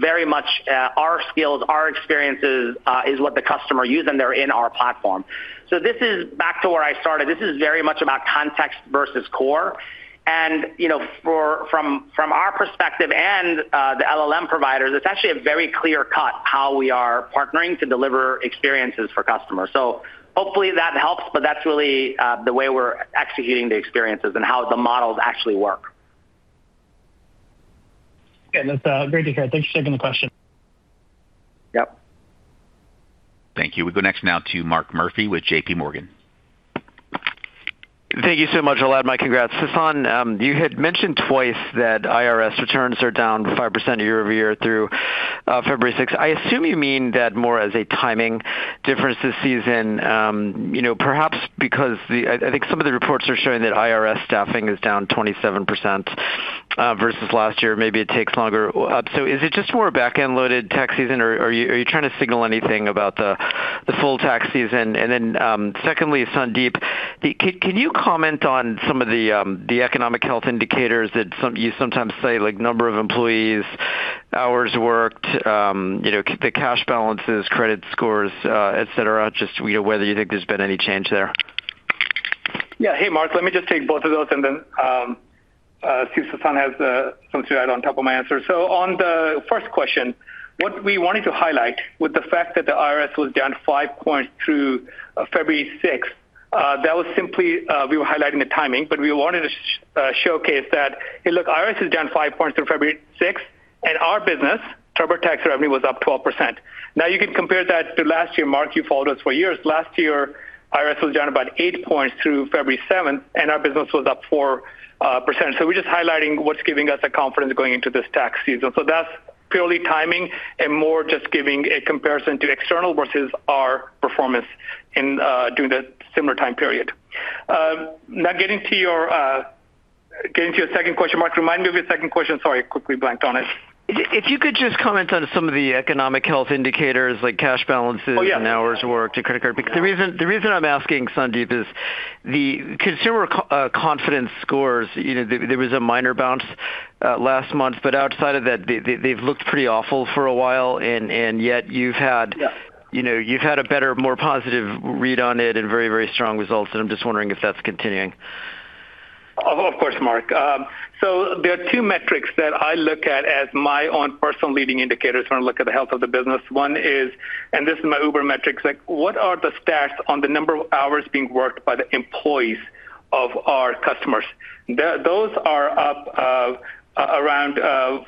very much our skills, our experiences, is what the customer use, and they're in our platform. This is back to where I started. This is very much about context versus core. You know, from our perspective and the LLM providers, it's actually a very clear cut how we are partnering to deliver experiences for customers. Hopefully that helps, but that's really the way we're executing the experiences and how the models actually work. Okay. That's, great to hear. Thanks for taking the question. Yep. Thank you. We go next now to Mark Murphy with JPMorgan. Thank you so much. I'll add my congrats. Sasan, you had mentioned twice that IRS returns are down 5% year-over-year through February 6th. I assume you mean that more as a timing difference this season, you know, perhaps because I think some of the reports are showing that IRS staffing is down 27% versus last year. Maybe it takes longer. Is it just more back-end loaded tax season or are you trying to signal anything about the full tax season? Secondly, Sandeep, can you comment on some of the economic health indicators that you sometimes say like number of employees, hours worked, you know, the cash balances, credit scores, et cetera, just, you know, whether you think there's been any change there? Yeah. Hey, Mark. Let me just take both of those and then see if Sasan has something to add on top of my answer. On the first question, what we wanted to highlight with the fact that the IRS was down 5 points through February 6th, that was simply we were highlighting the timing, but we wanted to showcase that, hey, look, IRS is down 5 points through February 6th, and our business, TurboTax revenue was up 12%. You can compare that to last year. Mark, you've followed us for years. Last year, IRS was down about 8 points through February 7th, and our business was up 4%. We're just highlighting what's giving us the confidence going into this tax season. That's purely timing and more just giving a comparison to external versus our performance in during that similar time period. Getting to your, getting to your second question, Mark, remind me of your second question. Sorry, I quickly blanked on it. If you could just comment on some of the economic health indicators like cash balances and hours worked or credit card, because the reason I'm asking, Sandeep, is the consumer confidence scores, you know, there was a minor bounce last month, but outside of that, they've looked pretty awful for a while, and yet you've had, you know, a better, more positive read on it and very, very strong results. I'm just wondering if that's continuing. Of course, Mark. There are two metrics that I look at as my own personal leading indicators when I look at the health of the business. One is, this is my Uber metrics, like, what are the stats on the number of hours being worked by the employees of our customers? Those are up, around 4%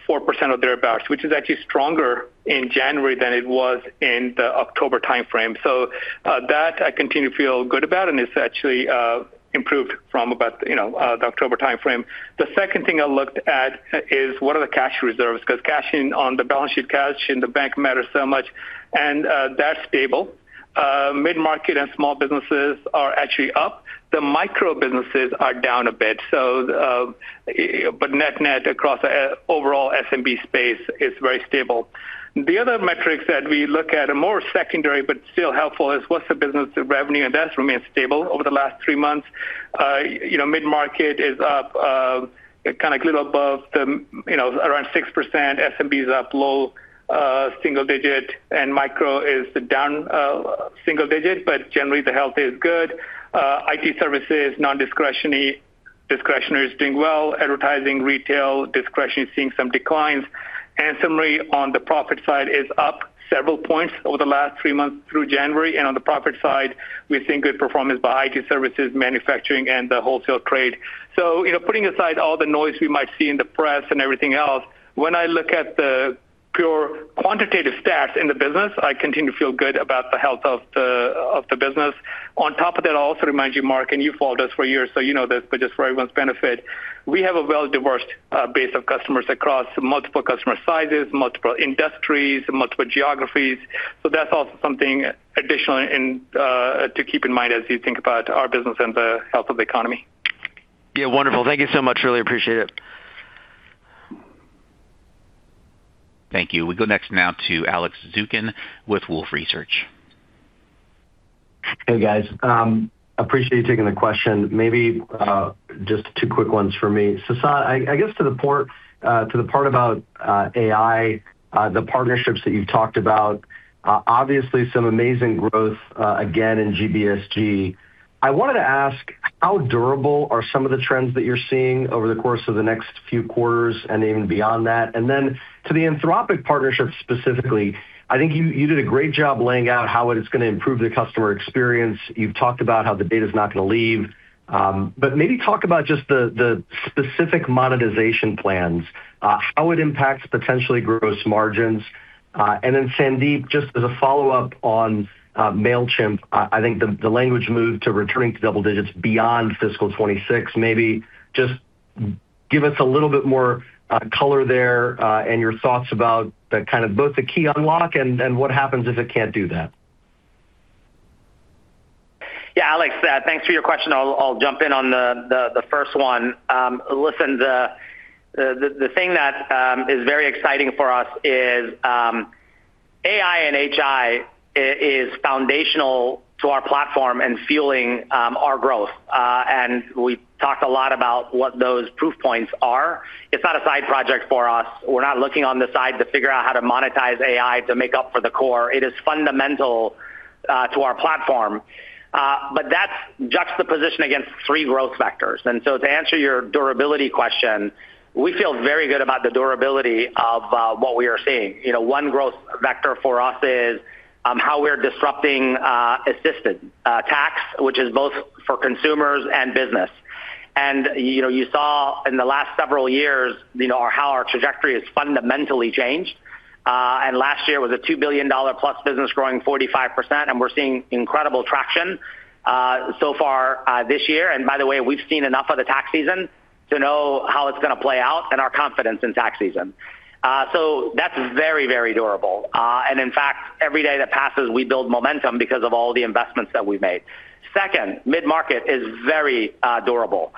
or thereabouts, which is actually stronger in January than it was in the October time frame. That I continue to feel good about, and it's actually improved from about, you know, the October time frame. The second thing I looked at is what are the cash reserves? Cash in on the balance sheet, cash in the bank matters so much, and that's stable. Mid-market and small businesses are actually up. The micro businesses are down a bit, but net-net across overall SMB space is very stable. The other metrics that we look at are more secondary, but still helpful, is what's the business revenue, and that's remained stable over the last three months. You know, mid-market is up, kind of a little above the, you know, around 6%. SMB is up low, single digit, and micro is down, single digit, but generally the health is good. IT services, non-discretionary, discretionary is doing well. Advertising, retail, discretionary is seeing some declines. Summary on the profit side is up several points over the last three months through January, and on the profit side, we've seen good performance by IT services, manufacturing, and the wholesale trade. You know, putting aside all the noise we might see in the press and everything else, when I look at the pure quantitative stats in the business, I continue to feel good about the health of the business. On top of that, I'll also remind you, Mark, and you've followed us for years, so you know this, but just for everyone's benefit, we have a well-diversified base of customers across multiple customer sizes, multiple industries, multiple geographies. That's also something additional to keep in mind as you think about our business and the health of the economy. Yeah, wonderful. Thank you so much. Really appreciate it. Thank you. We go next now to Alex Zukin with Wolfe Research. Hey, guys. Appreciate you taking the question. Maybe just two quick ones for me. Sasan Goodarzi, I guess to the part about AI, the partnerships that you've talked about, obviously some amazing growth, again, in GBSG. I wanted to ask, how durable are some of the trends that you're seeing over the course of the next few quarters and even beyond that? To the Anthropic partnership specifically, I think you did a great job laying out how it is going to improve the customer experience. You've talked about how the data is not going to leave, but maybe talk about just the specific monetization plans, how it impacts potentially gross margins. Sandeep, just as a follow-up on Mailchimp, I think the language moved to returning to double digits beyond fiscal 2026. Maybe just give us a little bit more color there and your thoughts about the kind of both the key unlock and what happens if it can't do that. Yeah, Alex, thanks for your question. I'll jump in on the first one. listen, the thing that is very exciting for us is AI and HI is foundational to our platform and fueling our growth, and we talked a lot about what those proof points are. It's not a side project for us. We're not looking on the side to figure out how to monetize AI to make up for the core. It is fundamental to our platform, but that's juxtaposition against three growth vectors. To answer your durability question, we feel very good about the durability of what we are seeing. You know, one growth vector for us is how we're disrupting assistant tax, which is both for consumers and business. You know, you saw in the last several years, you know, how our trajectory has fundamentally changed, last year was a $2 billion plus business growing 45%, and we're seeing incredible traction so far this year. By the way, we've seen enough of the tax season to know how it's going to play out and our confidence in tax season. That's very, very durable. In fact, every day that passes, we build momentum because of all the investments that we've made. Second, mid-market is very durable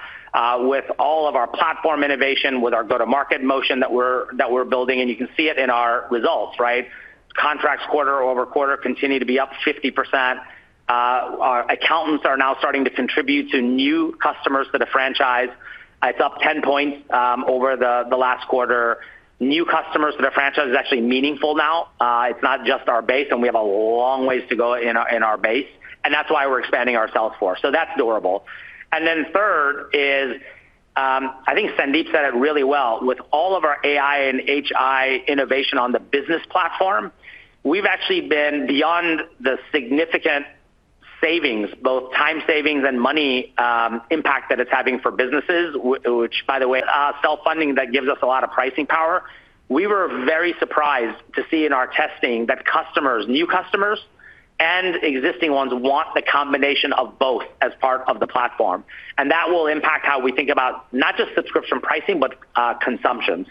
with all of our platform innovation, with our go-to-market motion that we're building, you can see it in our results, right? Contracts quarter-over-quarter continue to be up 50%. Our accountants are now starting to contribute to new customers to the franchise. It's up 10 points over the last quarter. New customers to the franchise is actually meaningful now. It's not just our base, and we have a long ways to go in our base, and that's why we're expanding our sales force. That's durable. Third is, I think Sandeep said it really well. With all of our AI and HI innovation on the business platform, we've actually been beyond the significant savings, both time savings and money, impact that it's having for businesses, which, by the way, self-funding, that gives us a lot of pricing power. We were very surprised to see in our testing that customers, new customers and existing ones, want the combination of both as part of the platform. That will impact how we think about not just subscription pricing, but consumption.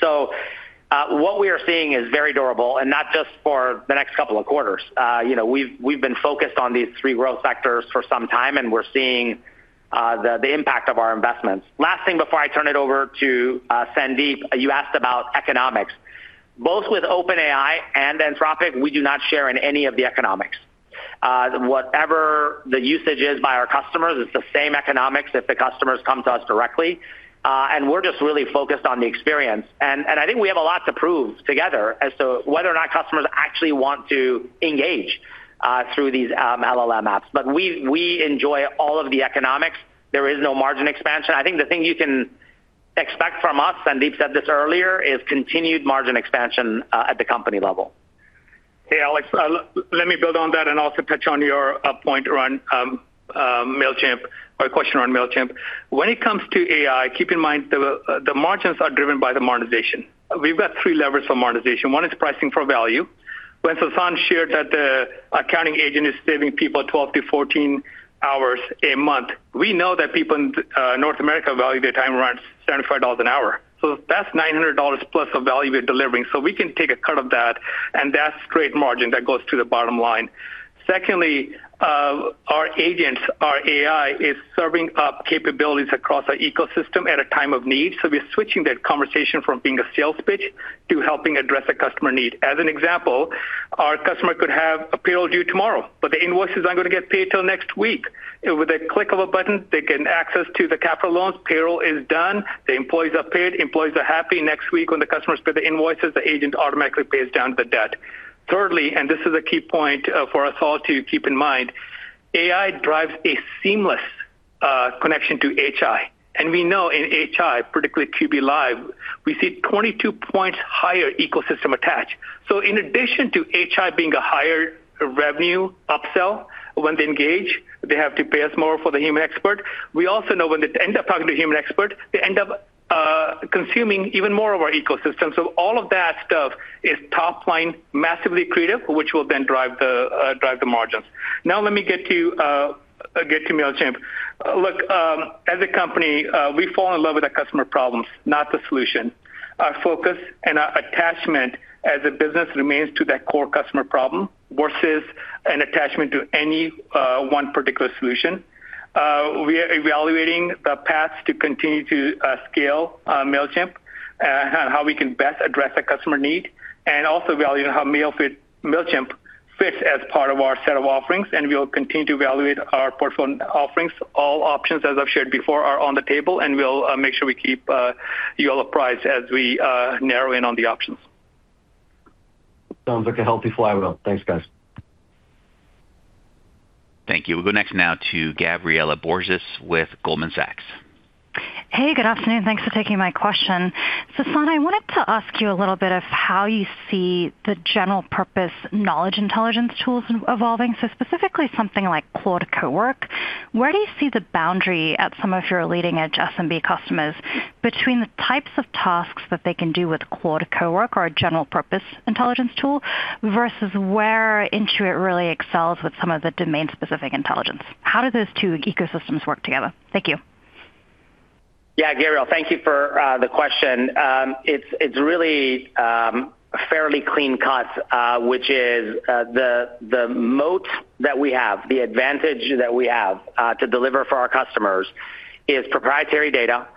What we are seeing is very durable and not just for the next couple of quarters. You know, we've been focused on these three growth sectors for some time, we're seeing the impact of our investments. Last thing before I turn it over to Sandeep, you asked about economics. Both with OpenAI and Anthropic, we do not share in any of the economics. Whatever the usage is by our customers, it's the same economics if the customers come to us directly, we're just really focused on the experience. I think we have a lot to prove together as to whether or not customers actually want to engage through these LLM apps. We enjoy all of the economics. There is no margin expansion. I think the thing you can expect from us, Sandeep said this earlier, is continued margin expansion at the company level. Hey, Alex, let me build on that and also touch on your point around Mailchimp, or question on Mailchimp. When it comes to AI, keep in mind the margins are driven by the monetization. We've got three levers for monetization. One is pricing for value. When Sasan shared that the accounting agent is saving people 12 hours-14 hours a month, we know that people in North America value their time around $75 an hour, so that's $900 plus of value we're delivering, so we can take a cut of that, and that's great margin that goes to the bottom line. Secondly, our agents, our AI, is serving up capabilities across our ecosystem at a time of need, so we're switching that conversation from being a sales pitch to helping address a customer need. An example, our customer could have a payroll due tomorrow, but the invoice is not going to get paid till next week. With a click of a button, they get access to the capital loans, payroll is done, the employees are paid, employees are happy. Next week, when the customers pay the invoices, the agent automatically pays down the debt. Thirdly, this is a key point, for us all to keep in mind, AI drives a seamless connection to HI. We know in HI, particularly QuickBooks Live, we see 22 point higher ecosystem attach. In addition to HI being a higher revenue upsell, when they engage, they have to pay us more for the human expert. We also know when they end up talking to a human expert, they end up consuming even more of our ecosystem. All of that stuff is top line, massively accretive, which will then drive the margins. Let me get to Mailchimp. Look, as a company, we fall in love with the customer problems, not the solution. Our focus and our attachment as a business remains to that core customer problem versus an attachment to any one particular solution. We are evaluating the paths to continue to scale Mailchimp, and how we can best address the customer need, and also evaluating how Mailchimp fits as part of our set of offerings, and we will continue to evaluate our offerings. All options, as I've shared before, are on the table, and we'll make sure we keep you all apprised as we narrow in on the options. Sounds like a healthy flywheel. Thanks, guys. Thank you. We'll go next now to Gabriela Borges with Goldman Sachs. Hey, good afternoon. Thanks for taking my question. Sasan, I wanted to ask you a little bit of how you see the general purpose knowledge intelligence tools evolving, so specifically something like Claude Cowork. Where do you see the boundary at some of your leading-edge SMB customers between the types of tasks that they can do with Claude Cowork or a general purpose intelligence tool, versus where Intuit really excels with some of the domain-specific intelligence? How do those two ecosystems work together? Thank you. Yeah, Gabrielle, thank you for the question. It's really fairly clean cut, which is the moat that we have, the advantage that we have to deliver for our customers is proprietary data,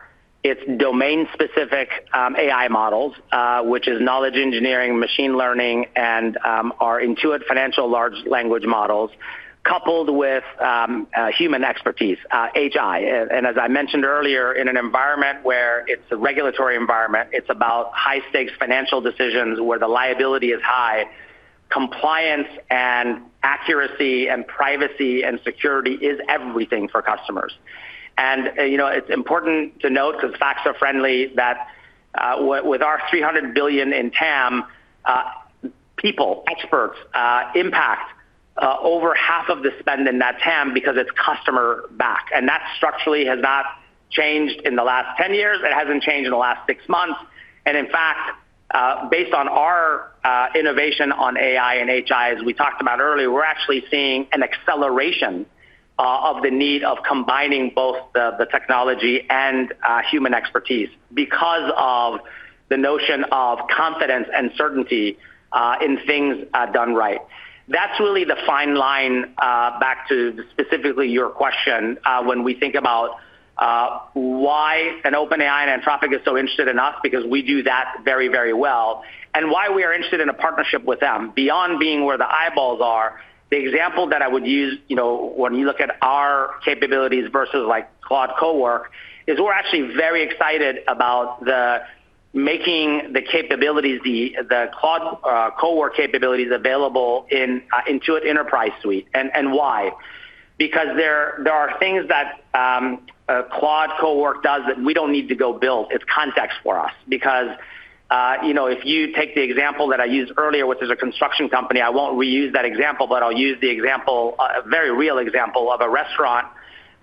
it's domain-specific AI models, which is knowledge engineering, machine learning, and our Intuit financial large language models, coupled with human expertise, HI. As I mentioned earlier, in an environment where it's a regulatory environment, it's about high-stakes financial decisions where the liability is high, compliance and accuracy and privacy and security is everything for customers. You know, it's important to note, because facts are friendly, that with our $300 billion in TAM, people, experts, impact over half of the spend in that TAM because it's customer back. That structurally has not changed in the last 10 years. It hasn't changed in the last six months. In fact, based on our innovation on AI and HI, as we talked about earlier, we're actually seeing an acceleration of the need of combining both the technology and human expertise because of the notion of confidence and certainty in things done right. That's really the fine line, back to specifically your question, when we think about why an OpenAI and Anthropic is so interested in us, because we do that very, very well, and why we are interested in a partnership with them. Beyond being where the eyeballs are, the example that I would use, you know, when you look at our capabilities versus, like, Claude Cowork, is we're actually very excited about making the capabilities, the Claude Cowork capabilities available in Intuit Enterprise Suite. Why? There are things that Claude Cowork does that we don't need to go build. It's context for us. You know, if you take the example that I used earlier, which is a construction company, I won't reuse that example, but I'll use the example, a very real example of a restaurant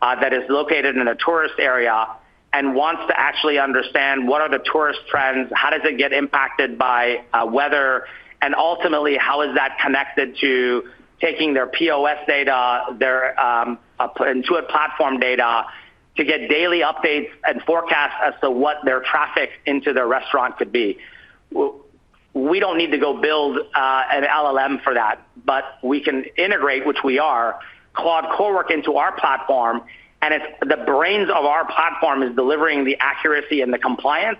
that is located in a tourist area and wants to actually understand what are the tourist trends, how does it get impacted by weather, and ultimately, how is that connected to taking their POS data, their Intuit platform data, to get daily updates and forecasts as to what their traffic into their restaurant could be. We don't need to go build an LLM for that. We can integrate, which we are, Claude Cowork into our platform, and it's the brains of our platform is delivering the accuracy and the compliance,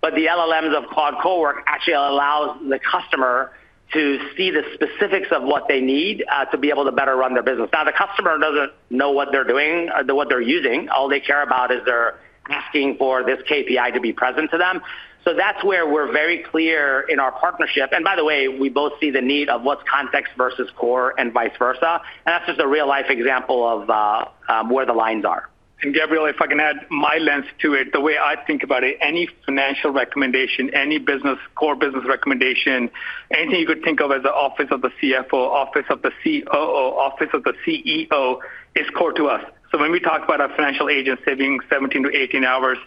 but the LLMs of Claude Cowork actually allows the customer to see the specifics of what they need to be able to better run their business. The customer doesn't know what they're doing or what they're using. All they care about is their asking for this KPI to be present to them. That's where we're very clear in our partnership. By the way, we both see the need of what's context versus core and vice versa, and that's just a real-life example of where the lines are. Gabriela, if I can add my lens to it, the way I think about it, any financial recommendation, any business, core business recommendation, anything you could think of as the office of the CFO, office of the COO, office of the CEO, is core to us. When we talk about our financial agent saving 17 hours-18 hours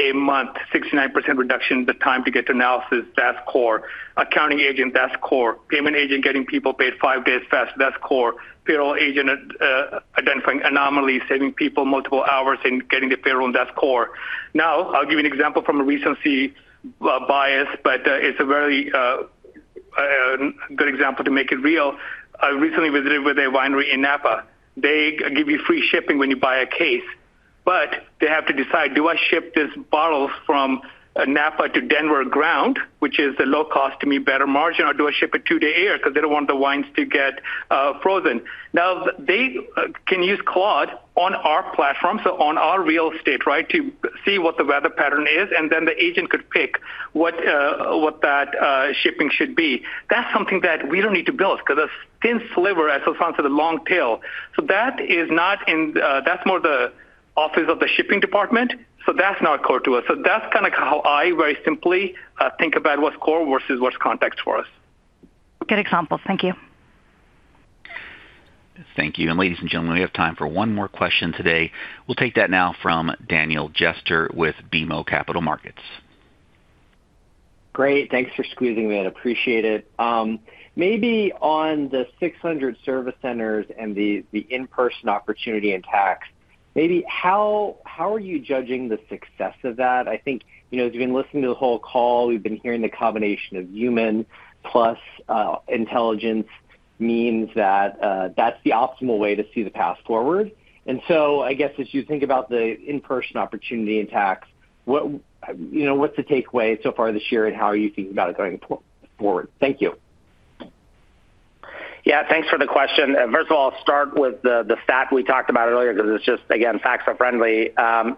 a month, 69% reduction, the time to get to analysis, that's core. Accounting agent, that's core. Payment agent, getting people paid five days fast, that's core. Payroll agent, identifying anomalies, saving people multiple hours and getting their payroll, that's core. I'll give you an example from a recency bias, but it's a very good example to make it real. I recently visited with a winery in Napa. They give you free shipping when you buy a case, they have to decide, do I ship this bottle from Napa to Denver ground, which is a low cost to me, better margin, or do I ship 2-day air because they don't want the wines to get frozen? They can use Claude on our platform, so on our real estate, right? To see what the weather pattern is, and then the agent could pick what that shipping should be. That's something that we don't need to build because a thin sliver, as Sasan said, a long tail. That is more the office of the shipping department, so that's not core to us. That's kinda how I very simply think about what's core versus what's context for us. Good examples. Thank you. Thank you. Ladies and gentlemen, we have time for one more question today. We'll take that now from Daniel Jester with BMO Capital Markets. Great, thanks for squeezing me in. Appreciate it. Maybe on the 600 service centers and the in-person opportunity in tax, how are you judging the success of that? I think, you know, as you've been listening to the whole call, we've been hearing the combination of human plus intelligence means that's the optimal way to see the path forward. I guess as you think about the in-person opportunity in tax, what, you know, what's the takeaway so far this year, and how are you thinking about it going forward? Thank you. Yeah, thanks for the question. First of all, I'll start with the stat we talked about earlier, because it's just, again, facts are friendly.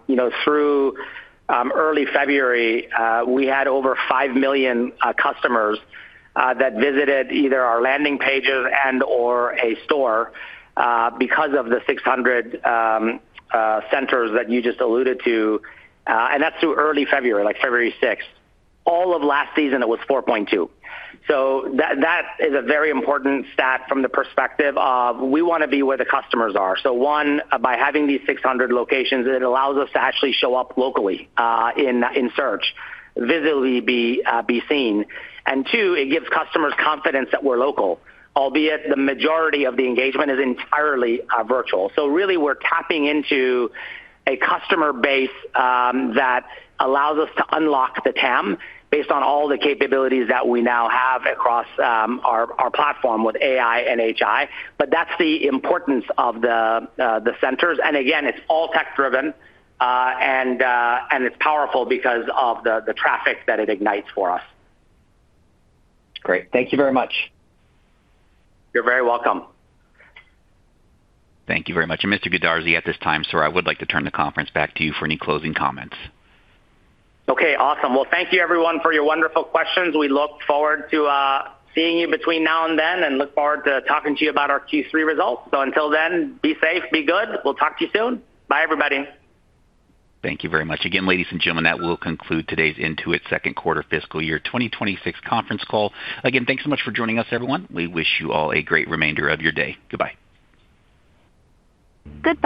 You know, through early February, we had over 5 million customers that visited either our landing pages and/or a store because of the 600 centers that you just alluded to. That's through early February, like February 6th. All of last season, it was 4.2. That is a very important stat from the perspective of we want to be where the customers are. One, by having these 600 locations, it allows us to actually show up locally in search, visibly be seen. Two, it gives customers confidence that we're local, albeit the majority of the engagement is entirely virtual. We're tapping into a customer base that allows us to unlock the TAM based on all the capabilities that we now have across our platform with AI and HI. That's the importance of the centers, and again, it's all tech-driven and it's powerful because of the traffic that it ignites for us. Great. Thank you very much. You're very welcome. Thank you very much. Mr. Goodarzi, at this time, sir, I would like to turn the conference back to you for any closing comments. Okay, awesome. Well, thank you, everyone, for your wonderful questions. We look forward to seeing you between now and then, and look forward to talking to you about our Q3 results. Until then, be safe, be good. We'll talk to you soon. Bye, everybody. Thank you very much. Again, ladies and gentlemen, that will conclude today's Intuit's second quarter fiscal year 2026 conference call. Again, thanks so much for joining us, everyone. We wish you all a great remainder of your day. Goodbye. Goodbye.